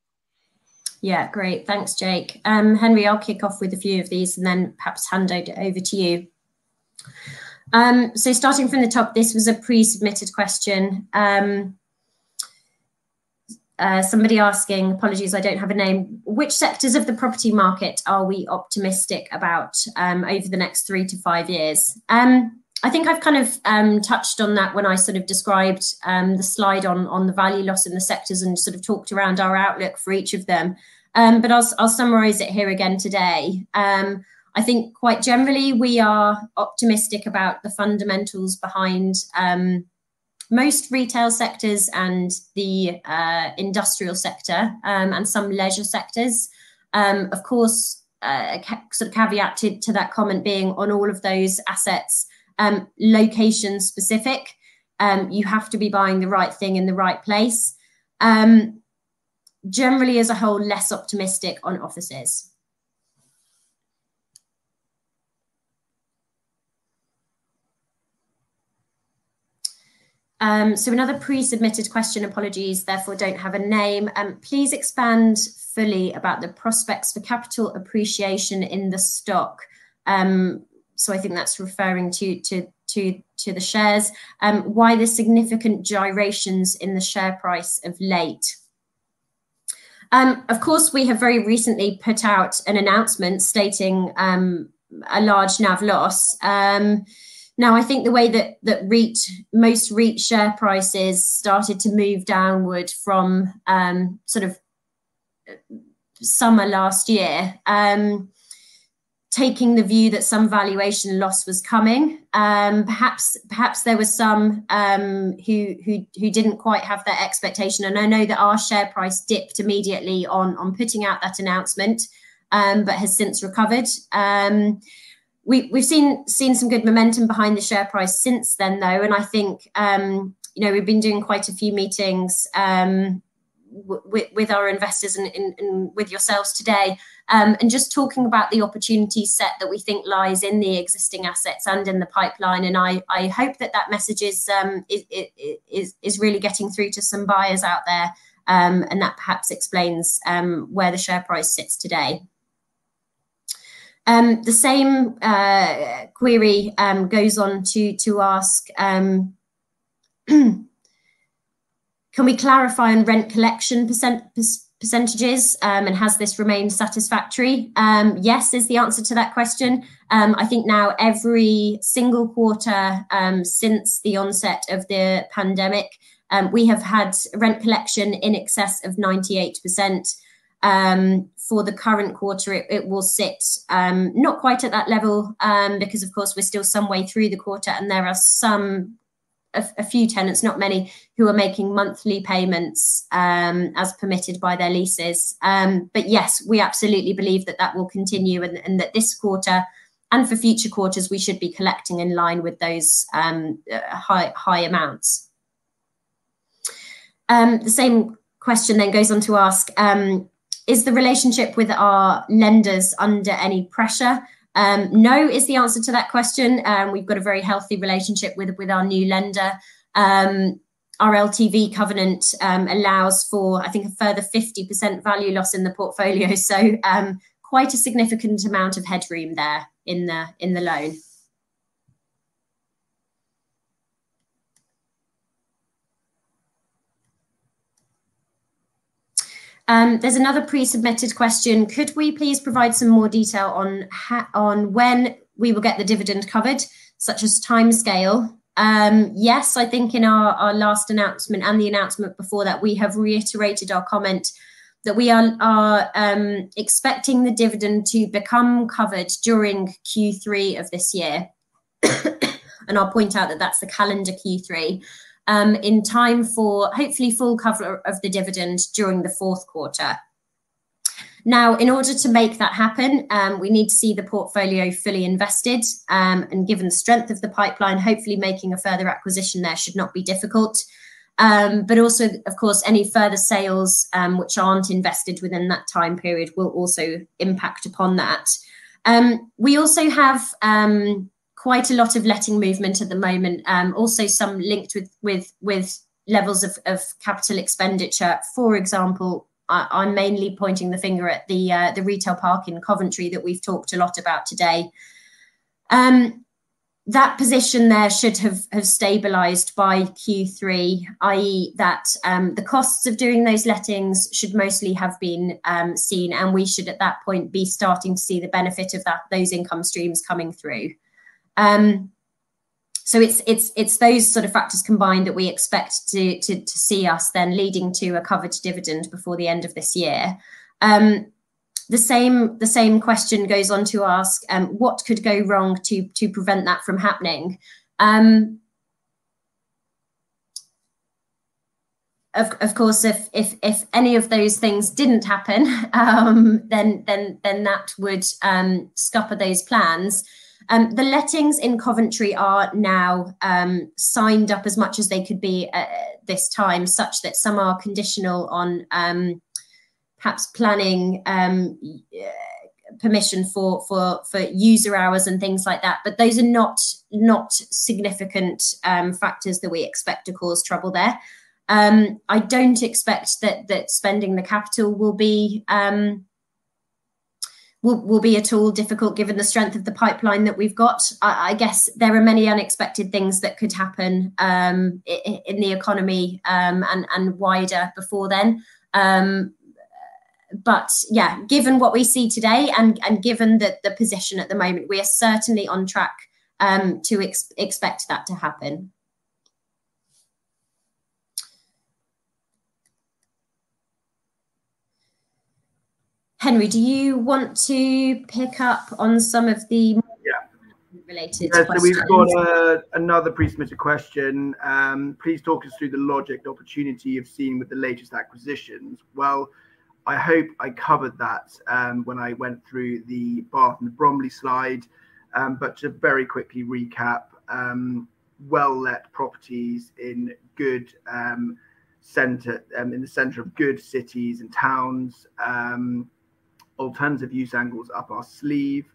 Yeah. Great. Thanks, Jake. Henry, I'll kick off with a few of these and then perhaps hand it over to you. Starting from the top, this was a pre-submitted question. Somebody asking, apologies I don't have a name, "Which sectors of the property market are we optimistic about over the next three to five years?" I think I've kind of touched on that when I sort of described the slide on the value loss in the sectors and sort of talked around our outlook for each of them. I'll summarize it here again today. I think quite generally we are optimistic about the fundamentals behind most retail sectors and the industrial sector and some leisure sectors. Of course, sort of caveat to that comment being on all of those assets, location specific, you have to be buying the right thing in the right place. Generally as a whole, less optimistic on offices. Another pre-submitted question, apologies, therefore don't have a name. "Please expand fully about the prospects for capital appreciation in the stock." I think that's referring to the shares. "Why the significant gyrations in the share price of late?" Of course, we have very recently put out an announcement stating a large NAV loss. Now I think the way that REIT, most REIT share prices started to move downward from, sort of summer last year, taking the view that some valuation loss was coming, perhaps there were some who didn't quite have that expectation. I know that our share price dipped immediately on putting out that announcement, but has since recovered. We've seen some good momentum behind the share price since then though, and I think, you know, we've been doing quite a few meetings with our investors and with yourselves today, and just talking about the opportunity set that we think lies in the existing assets and in the pipeline. I hope that that message is really getting through to some buyers out there, and that perhaps explains where the share price sits today. The same query goes on to ask, "Can we clarify on rent collection percentages, and has this remained satisfactory?" Yes is the answer to that question. I think now every single quarter, since the onset of the pandemic, we have had rent collection in excess of 98%. For the current quarter, it will sit not quite at that level, because of course we're still some way through the quarter, and there are some few tenants, not many, who are making monthly payments, as permitted by their leases. Yes, we absolutely believe that that will continue and that this quarter, and for future quarters, we should be collecting in line with those high amounts. The same question goes on to ask, "Is the relationship with our lenders under any pressure?" No is the answer to that question. We've got a very healthy relationship with our new lender. Our LTV covenant allows for, I think a further 50% value loss in the portfolio. Quite a significant amount of headroom there in the loan. There's another pre-submitted question, "Could we please provide some more detail on when we will get the dividend covered, such as timescale?" Yes, I think in our last announcement and the announcement before that, we have reiterated our comment that we are expecting the dividend to become covered during Q3 of this year. I'll point out that that's the calendar Q3 in time for hopefully full cover of the dividend during the fourth quarter. In order to make that happen, we need to see the portfolio fully invested. Given the strength of the pipeline, hopefully making a further acquisition there should not be difficult. Also, of course, any further sales which aren't invested within that time period will also impact upon that. We also have quite a lot of letting movement at the moment. Also some linked with levels of Capital Expenditure. For example, I'm mainly pointing the finger at the retail park in Coventry that we've talked a lot about today. That position there should have stabilized by Q3, i.e., that the costs of doing those lettings should mostly have been seen. We should at that point be starting to see the benefit of that, those income streams coming through. It's those sort of factors combined that we expect to see us then leading to a covered dividend before the end of this year. The same question goes on to ask, "What could go wrong to prevent that from happening?" Of course, if any of those things didn't happen, then that would scupper those plans. The lettings in Coventry are now signed up as much as they could be this time, such that some are conditional on perhaps planning permission for user hours and things like that. Those are not significant factors that we expect to cause trouble there. I don't expect that spending the capital will be at all difficult given the strength of the pipeline that we've got. I guess there are many unexpected things that could happen in the economy and wider before then. Yeah, given what we see today and given the position at the moment, we are certainly on track, to expect that to happen. Henry, do you want to pick up on? Yeah Related questions? We've got another pre-submitted question. Please talk us through the logic, the opportunity you've seen with the latest acquisitions. I hope I covered that when I went through the Bath and Bromley slide. To very quickly recap, well-let properties in good center, in the center of good cities and towns. Alternative use angles up our sleeve,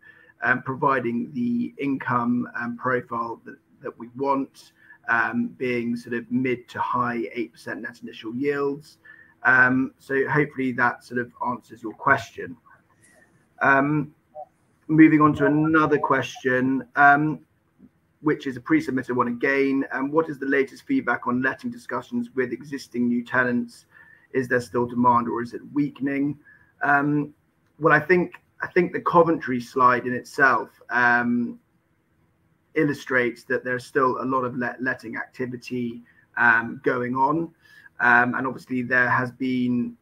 providing the income and profile that we want. Being sort of mid to high 8% net initial yields. Hopefully that sort of answers your question. Moving on to another question, which is a pre-submitted one again. What is the latest feedback on letting discussions with existing new tenants? Is there still demand or is it weakening? What I think, the Coventry slide in itself illustrates that there's still a lot of letting activity going on. Obviously there has been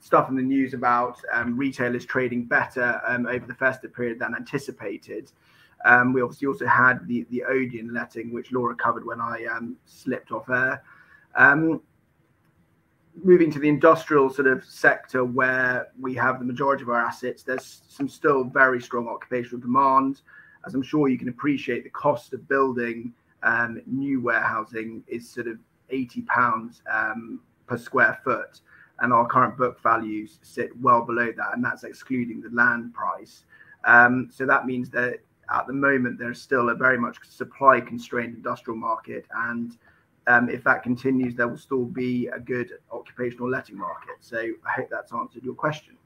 stuff in the news about retailers trading better over the festive period than anticipated. We obviously also had the ODEON letting, which Laura covered when I slipped off air. Moving to the industrial sort of sector where we have the majority of our assets, there's some still very strong occupational demand. As I'm sure you can appreciate, the cost of building new warehousing is sort of 80 pounds per square foot, and our current book values sit well below that, and that's excluding the land price. That means that at the moment there's still a very much supply-constrained industrial market, if that continues, there will still be a good occupational letting market. I hope that's answered your question.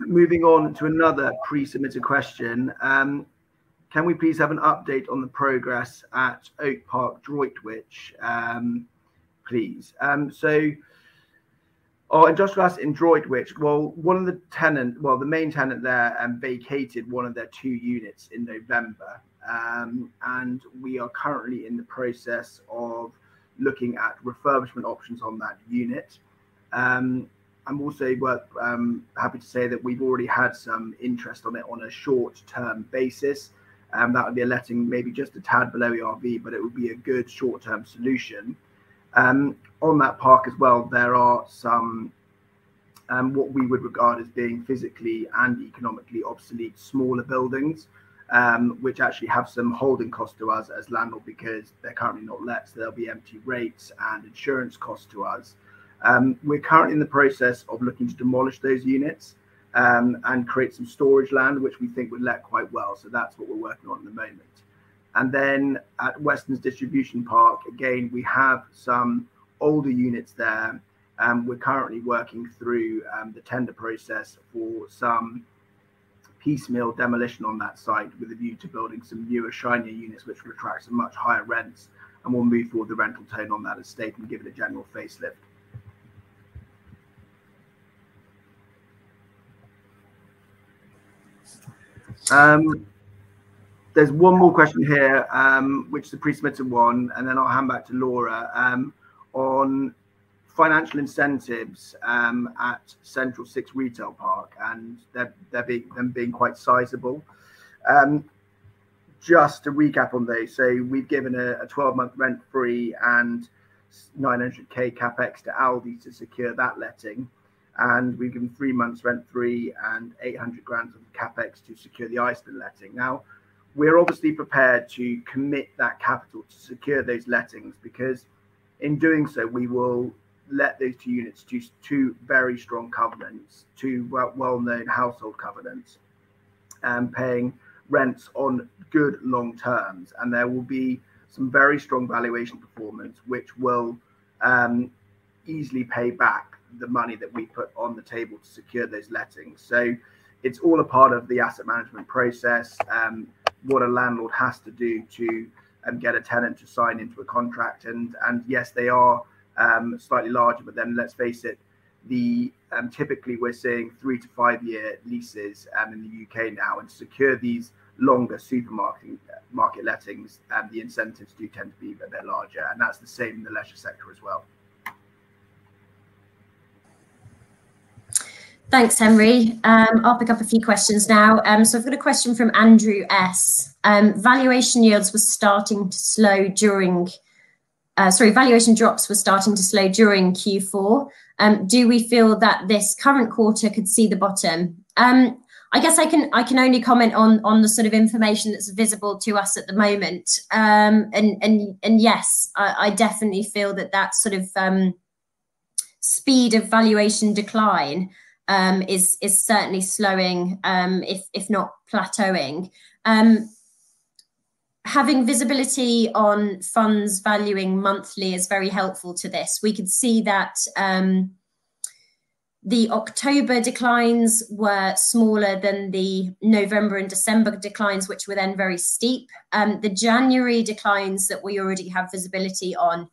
Moving on to another pre-submitted question. Can we please have an update on the progress at Oak Park, Droitwich, please? Our industrial asset in Droitwich, one of the tenant, the main tenant there, vacated one of their two units in November. We are currently in the process of looking at refurbishment options on that unit. I'm also happy to say that we've already had some interest on it on a short-term basis, that would be a letting maybe just a tad below ERV, it would be a good short-term solution. On that park as well, there are some, what we would regard as being physically and economically obsolete, smaller buildings, which actually have some holding cost to us as landlord because they're currently not let, so there'll be empty rates and insurance costs to us. We're currently in the process of looking to demolish those units and create some storage land, which we think would let quite well. That's what we're working on at the moment. At Westlands Distribution Park, again, we have some older units there, and we're currently working through the tender process for some piecemeal demolition on that site with a view to building some newer, shinier units, which will attract some much higher rents. We'll move forward the rental tone on that estate and give it a general facelift. There's one more question here, which is a pre-submitted 1, then I'll hand back to Laura. On financial incentives, at Central Six Retail Park, them being quite sizable. Just to recap on those, we've given a 12-month rent-free and 900K CapEx to Aldi to secure that letting, we've given three months rent-free and 800 grand of CapEx to secure the Iceland letting. We're obviously prepared to commit that capital to secure those lettings, because in doing so, we will let those two units to two very strong covenants, two well-known household covenants, paying rents on good long terms. There will be some very strong valuation performance, which will easily pay back the money that we put on the table to secure those lettings. It's all a part of the asset management process, what a landlord has to do to get a tenant to sign into a contract. Yes, they are slightly larger, let's face it, typically we're seeing three to five year leases in the U.K. now. To secure these longer supermarket market lettings, the incentives do tend to be a bit larger. That's the same in the leisure sector as well. Thanks, Henry. I'll pick up a few questions now. I've got a question from Andrew S. Valuation drops were starting to slow during Q4. Do we feel that this current quarter could see the bottom? I guess I can only comment on the sort of information that's visible to us at the moment. Yes, I definitely feel that that sort of, you know speed of valuation decline, is certainly slowing, if not plateauing. Having visibility on funds valuing monthly is very helpful to this. We could see that the October declines were smaller than the November and December declines, which were then very steep. The January declines that we already have visibility on,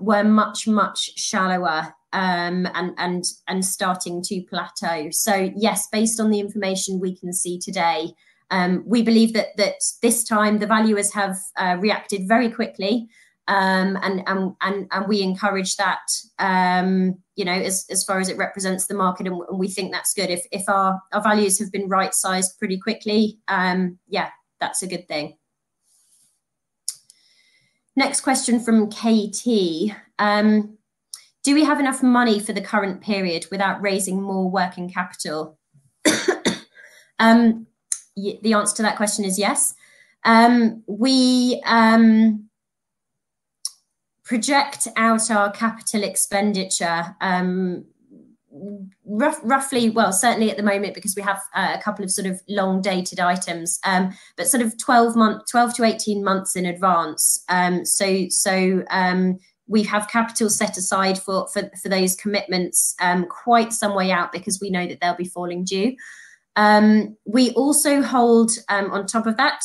were much, much shallower, and starting to plateau. Yes, based on the information we can see today, we believe that this time the valuers have reacted very quickly. We encourage that, you know, as far as it represents the market and we think that's good. If our values have been right sized pretty quickly, yeah, that's a good thing. Next question from KT. Do we have enough money for the current period without raising more working capital? The answer to that question is yes. We project out our capital expenditure, well, certainly at the moment because we have a couple of sort of long dated items, but sort of 12 month, 12-18 months in advance. We have capital set aside for those commitments quite some way out because we know that they'll be falling due. We also hold on top of that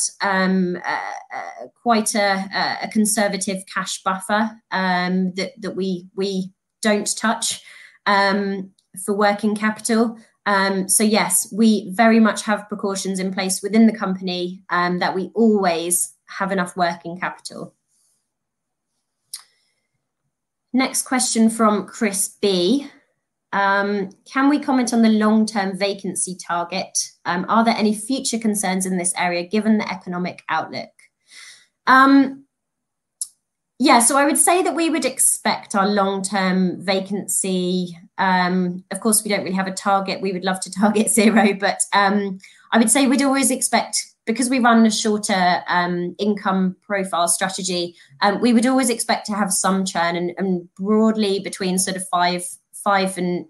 quite a conservative cash buffer that we don't touch for working capital. Yes, we very much have precautions in place within the company that we always have enough working capital. Next question from Chris B. Can we comment on the long term vacancy target? Are there any future concerns in this area given the economic outlook? Yeah. I would say that we would expect our long-term vacancy, of course, we don't really have a target. We would love to target zero, I would say we'd always expect, because we run a shorter income profile strategy, we would always expect to have some churn and broadly between 5%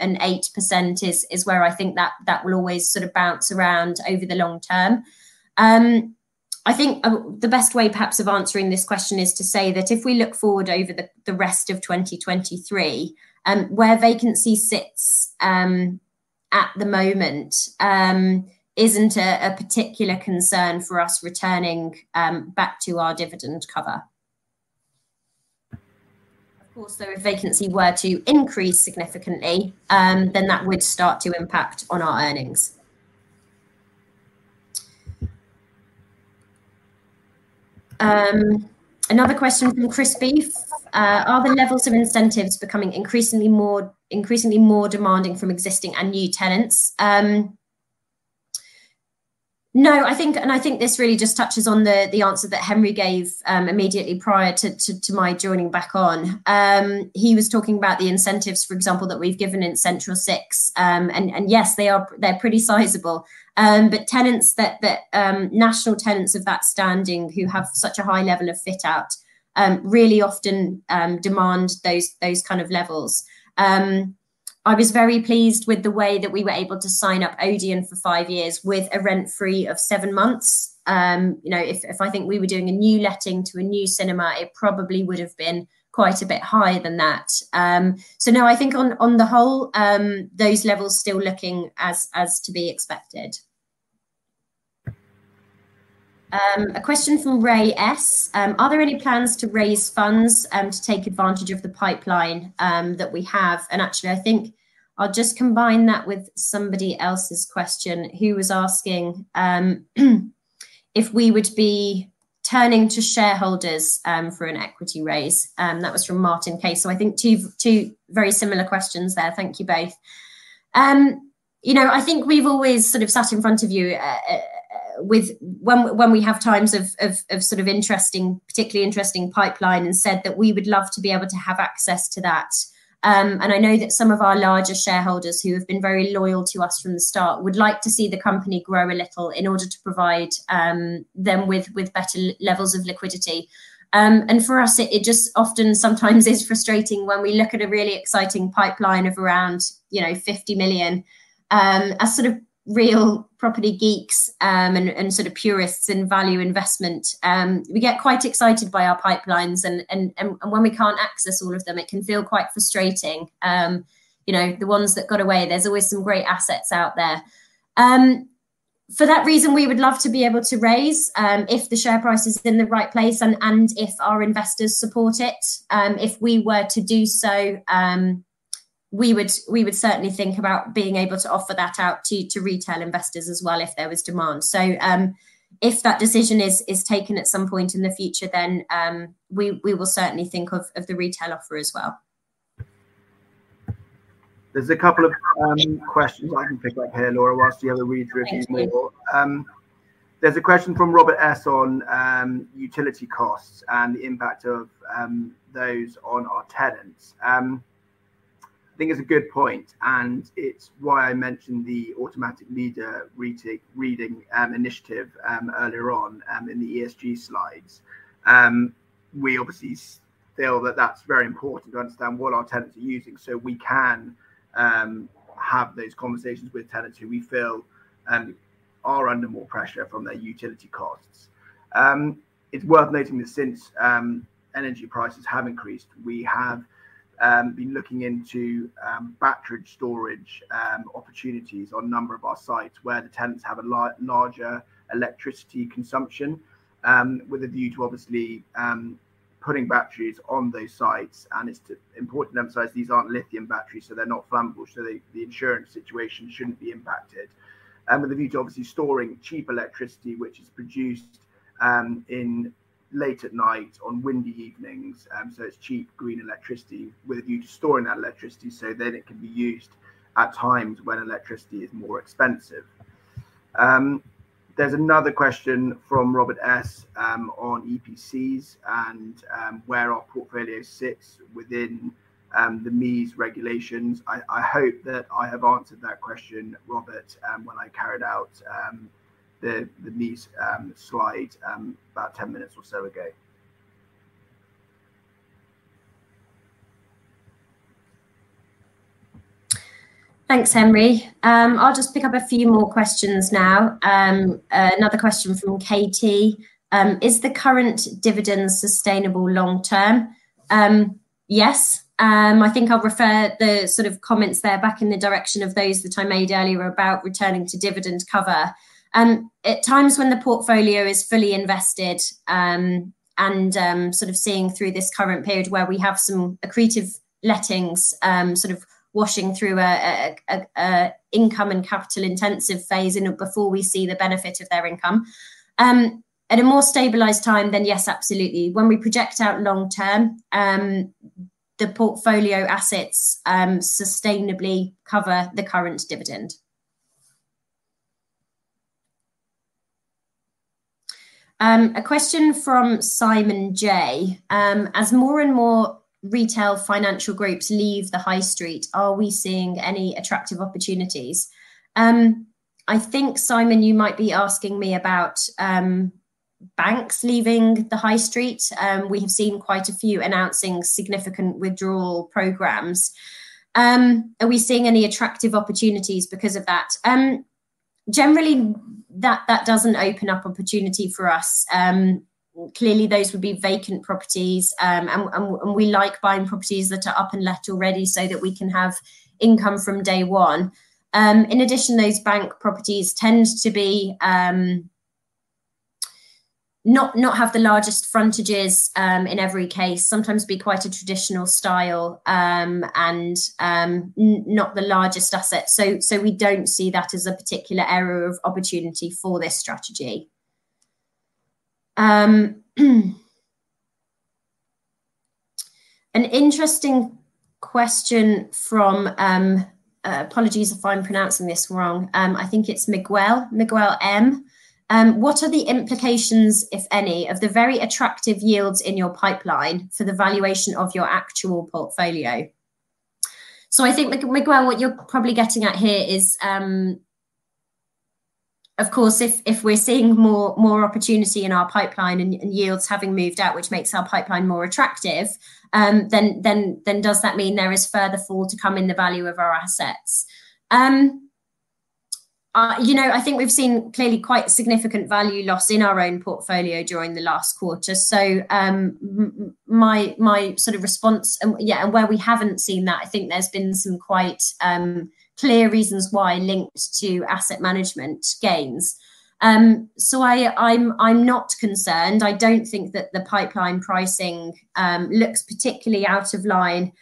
and 8% is where I think that will always sort of bounce around over the long term. I think the best way perhaps of answering this question is to say that if we look forward over the rest of 2023, where vacancy sits at the moment, isn't a particular concern for us returning back to our dividend cover. Of course, though, if vacancy were to increase significantly, then that would start to impact on our earnings. Another question from Chris B. Are the levels of incentives becoming increasingly more demanding from existing and new tenants? No, I think, and I think this really just touches on the answer that Henry gave immediately prior to my joining back on. He was talking about the incentives, for example, that we've given in Central Six. And yes, they are, they're pretty sizable. But tenants that national tenants of that standing who have such a high level of fit out, really often demand those kind of levels. I was very pleased with the way that we were able to sign up ODEON for five years with a rent free of seven months. You know, if I think we were doing a new letting to a new cinema, it probably would have been quite a bit higher than that. No, I think on the whole, those levels still looking as to be expected. A question from Ray S. Are there any plans to raise funds to take advantage of the pipeline that we have? Actually, I think I'll just combine that with somebody else's question, who was asking if we would be turning to shareholders for an equity raise. That was from Martin K. I think two very similar questions there. Thank you both. You know, I think we've always sort of sat in front of you, with when we have times of interesting, particularly interesting pipeline and said that we would love to be able to have access to that. I know that some of our larger shareholders who have been very loyal to us from the start would like to see the company grow a little in order to provide them with better levels of liquidity. For us, it just often sometimes is frustrating when we look at a really exciting pipeline of around, you know, 50 million, as sort of real property geeks, and sort of purists in value investment, we get quite excited by our pipelines and when we can't access all of them, it can feel quite frustrating. You know, the ones that got away, there's always some great assets out there. For that reason, we would love to be able to raise if the share price is in the right place and if our investors support it. If we were to do so, we would certainly think about being able to offer that out to retail investors as well if there was demand. If that decision is taken at some point in the future, then we will certainly think of the retail offer as well. There's a couple of questions I can pick up here, Laura, whilst the other readers read more. Thanks, Henry. There's a question from Robert S. on utility costs and the impact of those on our tenants. I think it's a good point, and it's why I mentioned the automatic meter retake, reading initiative earlier on in the ESG slides. We obviously feel that that's very important to understand what our tenants are using so we can have those conversations with tenants who we feel are under more pressure from their utility costs. It's worth noting that since energy prices have increased, we have been looking into battery storage opportunities on a number of our sites where the tenants have a larger electricity consumption with a view to obviously putting batteries on those sites. It's to...important to emphasize these aren't lithium batteries, so they're not flammable, they, the insurance situation shouldn't be impacted. With a view to obviously storing cheap electricity, which is produced late at night on windy evenings, so it's cheap green electricity with a view to storing that electricity then it can be used at times when electricity is more expensive. There's another question from Robert S., on EPCs and where our portfolio sits within the MEES regulations. I hope that I have answered that question, Robert, when I carried out the MEES slide about 10 minutes or so ago. Thanks, Henry. I'll just pick up a few more questions now. Another question from Katie. Is the current dividend sustainable long term? Yes, I think I'll refer the sort of comments there back in the direction of those that I made earlier about returning to dividend cover. At times when the portfolio is fully invested, and sort of seeing through this current period where we have some accretive lettings, sort of washing through a income and capital intensive phase before we see the benefit of their income. At a more stabilized time, then yes, absolutely. When we project out long term, the portfolio assets sustainably cover the current dividend. A question from Simon J. As more and more retail financial groups leave the high street, are we seeing any attractive opportunities? I think, Simon, you might be asking me about banks leaving the high street. We have seen quite a few announcing significant withdrawal programs. Are we seeing any attractive opportunities because of that? Generally, that doesn't open up opportunity for us. Clearly, those would be vacant properties, and we like buying properties that are up and let already so that we can have income from day one. In addition, those bank properties tend to be not have the largest frontages in every case. Sometimes be quite a traditional style, and not the largest asset. We don't see that as a particular area of opportunity for this strategy. An interesting question from, apologies if I'm pronouncing this wrong, I think it's Miguel M. What are the implications, if any, of the very attractive yields in your pipeline for the valuation of your actual portfolio? I think, Miguel, what you're probably getting at here is, of course, if we're seeing more opportunity in our pipeline and yields having moved out, which makes our pipeline more attractive, then does that mean there is further fall to come in the value of our assets? You know, I think we've seen clearly quite significant value loss in our own portfolio during the last quarter. My sort of response, yeah, and where we haven't seen that, I think there's been some quite clear reasons why linked to asset management gains. I'm not concerned. I don't think that the pipeline pricing looks particularly out of line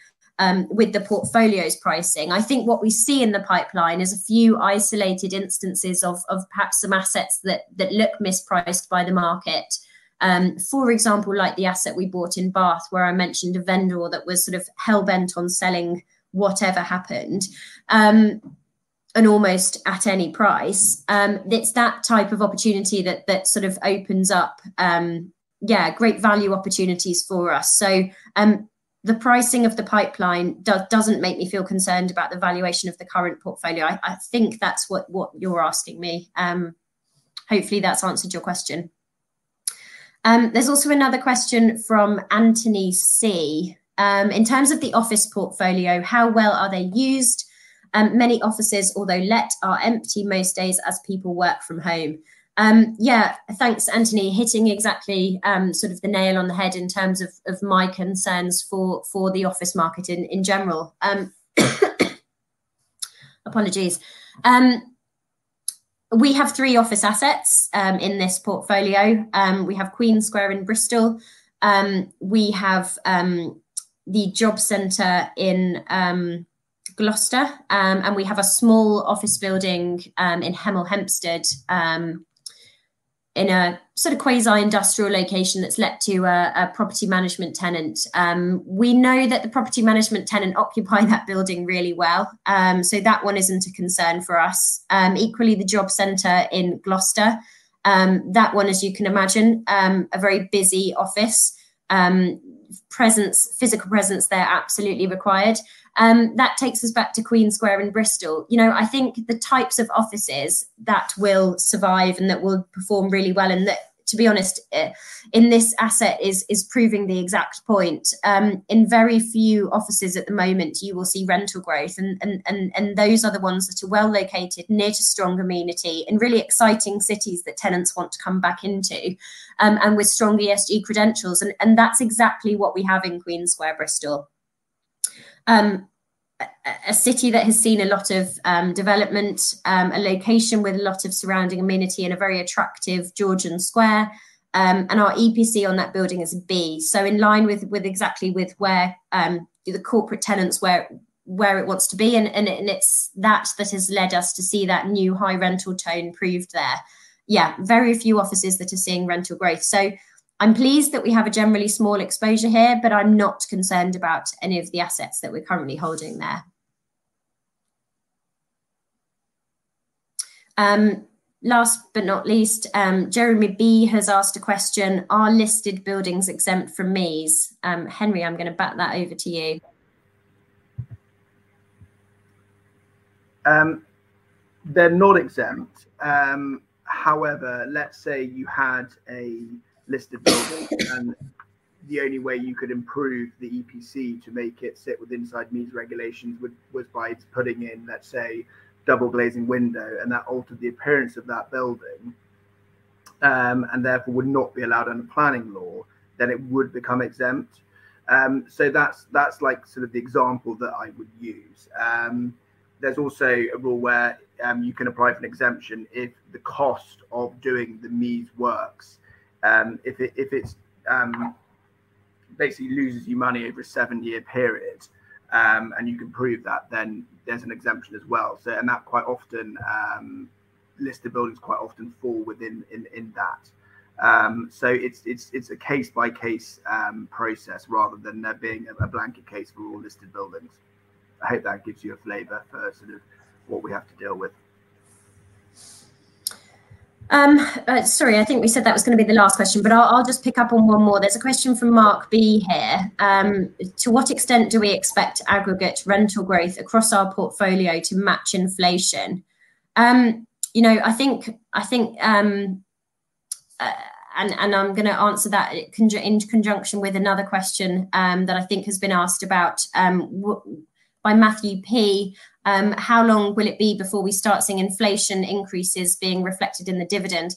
with the portfolio's pricing. I think what we see in the pipeline is a few isolated instances of perhaps some assets that look mispriced by the market. For example, like the asset we bought in Bath, where I mentioned a vendor that was sort of hell-bent on selling whatever happened, and almost at any price. It's that type of opportunity that sort of opens up great value opportunities for us. The pricing of the pipeline doesn't make me feel concerned about the valuation of the current portfolio. I think that's what you're asking me. Hopefully that's answered your question. There's also another question from Anthony C. In terms of the office portfolio, how well are they used? Many offices, although let, are empty most days as people work from home. Yeah, thanks, Anthony C. Hitting exactly sort of the nail on the head in terms of my concerns for the office market in general. Apologies. We have three office assets in this portfolio. We have Queen Square in Bristol. We have the job center in Gloucester. We have a small office building in Hemel Hempstead in a sort of quasi-industrial location that's let to a property management tenant. We know that the property management tenant occupy that building really well, so that one isn't a concern for us. Equally, the job center in Gloucester, that one, as you can imagine, a very busy office. Presence, physical presence there absolutely required. That takes us back to Queen Square in Bristol. You know, I think the types of offices that will survive and that will perform really well, and that, to be honest, in this asset is proving the exact point. In very few offices at the moment you will see rental growth and those are the ones that are well-located, near to strong amenity, in really exciting cities that tenants want to come back into, and with strong ESG credentials. That's exactly what we have in Queen Square, Bristol. A city that has seen a lot of development, a location with a lot of surrounding amenity and a very attractive Georgian square. Our EPC on that building is B, so in line with exactly where the corporate tenants where it wants to be. It's that that has led us to see that new high rental tone proved there. Yeah, very few offices that are seeing rental growth. I'm pleased that we have a generally small exposure here, but I'm not concerned about any of the assets that we're currently holding there. Last but not least, Jeremy B. has asked a question, "Are listed buildings exempt from MEES?" Henry, I'm gonna bat that over to you. They're not exempt. However, let's say you had a listed building and the only way you could improve the EPC to make it sit with inside MEES regulations was by putting in, let's say, double glazing window, and that altered the appearance of that building, and therefore would not be allowed under planning law, then it would become exempt. That's like sort of the example that I would use. There's also a rule where you can apply for an exemption if the cost of doing the MEES works, if it's basically loses you money over a seven-year period, and you can prove that, then there's an exemption as well. And that quite often listed buildings quite often fall within that. It's a case-by-case process rather than there being a blanket case for all listed buildings. I hope that gives you a flavor for sort of what we have to deal with. Sorry, I think we said that was gonna be the last question, but I'll just pick up on one more. There's a question from Mark B. here. To what extent do we expect aggregate rental growth across our portfolio to match inflation? You know, I think, and I'm gonna answer that in conjunction with another question, that I think has been asked about by Matthew P. How long will it be before we start seeing inflation increases being reflected in the dividend?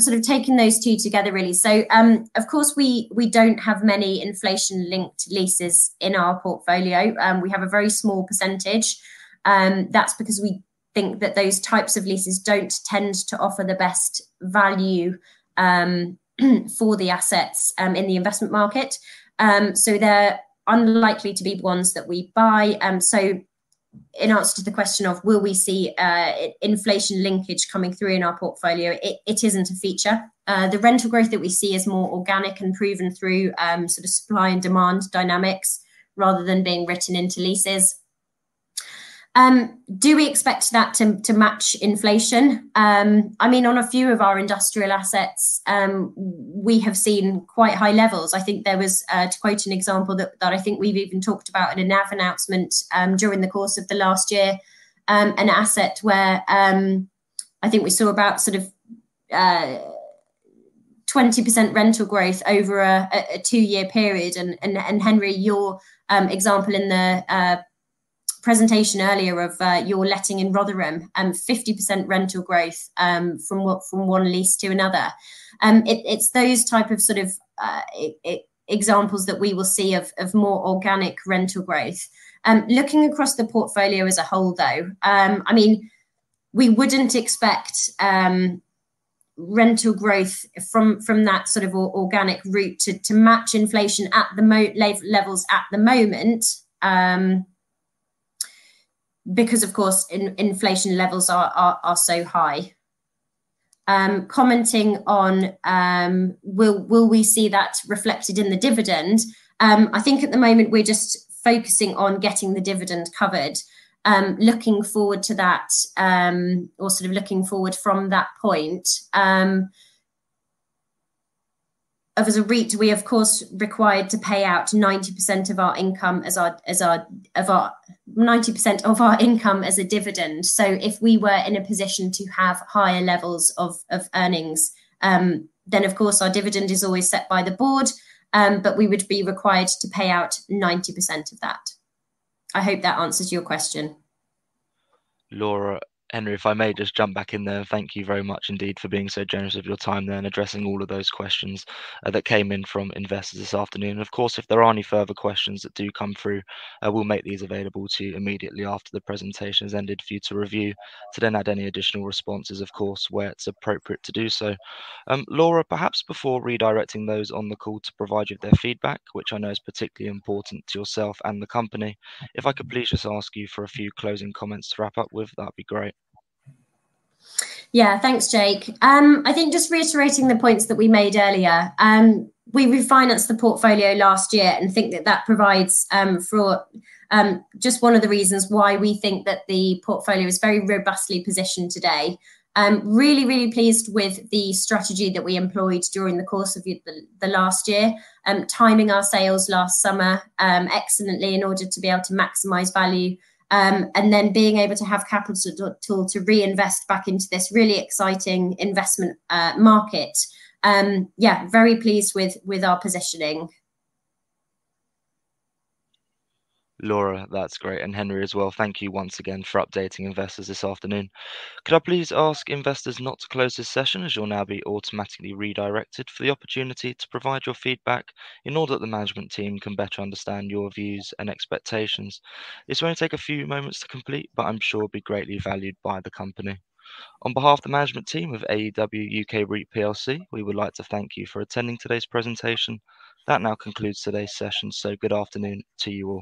sort of taking those two together really. of course, we don't have many inflation-linked leases in our portfolio. We have a very small percentage, that's because we think that those types of leases don't tend to offer the best value for the assets in the investment market. They're unlikely to be ones that we buy. In answer to the question of will we see inflation linkage coming through in our portfolio, it isn't a feature. The rental growth that we see is more organic and proven through sort of supply and demand dynamics rather than being written into leases. Do we expect that to match inflation? I mean, on a few of our industrial assets, we have seen quite high levels. I think there was to quote an example that I think we've even talked about in a NAV announcement during the course of the last year, an asset where I think we saw about sort of 20% rental growth over a two-year period. Henry, your example in the presentation earlier of your letting in Rotherham, 50% rental growth from one lease to another. It's those type of sort of examples that we will see of more organic rental growth. Looking across the portfolio as a whole though, I mean, we wouldn't expect rental growth from that sort of organic route to match inflation at the moment, because of course inflation levels are so high. Commenting on, will we see that reflected in the dividend, I think at the moment we're just focusing on getting the dividend covered. Looking forward to that, or sort of looking forward from that point, as a REIT, we of course are required to pay out 90% of our income as a dividend. If we were in a position to have higher levels of earnings, then of course our dividend is always set by the board, but we would be required to pay out 90% of that. I hope that answers your question. Laura, Henry, if I may just jump back in there. Thank you very much indeed for being so generous with your time there and addressing all of those questions that came in from investors this afternoon. Of course, if there are any further questions that do come through, we'll make these available to you immediately after the presentation has ended for you to review to then add any additional responses, of course, where it's appropriate to do so. Laura, perhaps before redirecting those on the call to provide you with their feedback, which I know is particularly important to yourself and the company, if I could please just ask you for a few closing comments to wrap up with, that'd be great. Thanks, Jake. I think just reiterating the points that we made earlier, we refinanced the portfolio last year and think that that provides for just one of the reasons why we think that the portfolio is very robustly positioned today. Really, really pleased with the strategy that we employed during the course of the last year. Timing our sales last summer, excellently in order to be able to maximize value, and then being able to have capital to reinvest back into this really exciting investment market. Very pleased with our positioning. Laura, that's great. Henry as well, thank you once again for updating investors this afternoon. Could I please ask investors not to close this session, as you'll now be automatically redirected, for the opportunity to provide your feedback in order that the management team can better understand your views and expectations. This will only take a few moments to complete, but I'm sure it'll be greatly valued by the company. On behalf of the management team of AEW UK REIT plc, we would like to thank you for attending today's presentation. That now concludes today's session. Good afternoon to you all.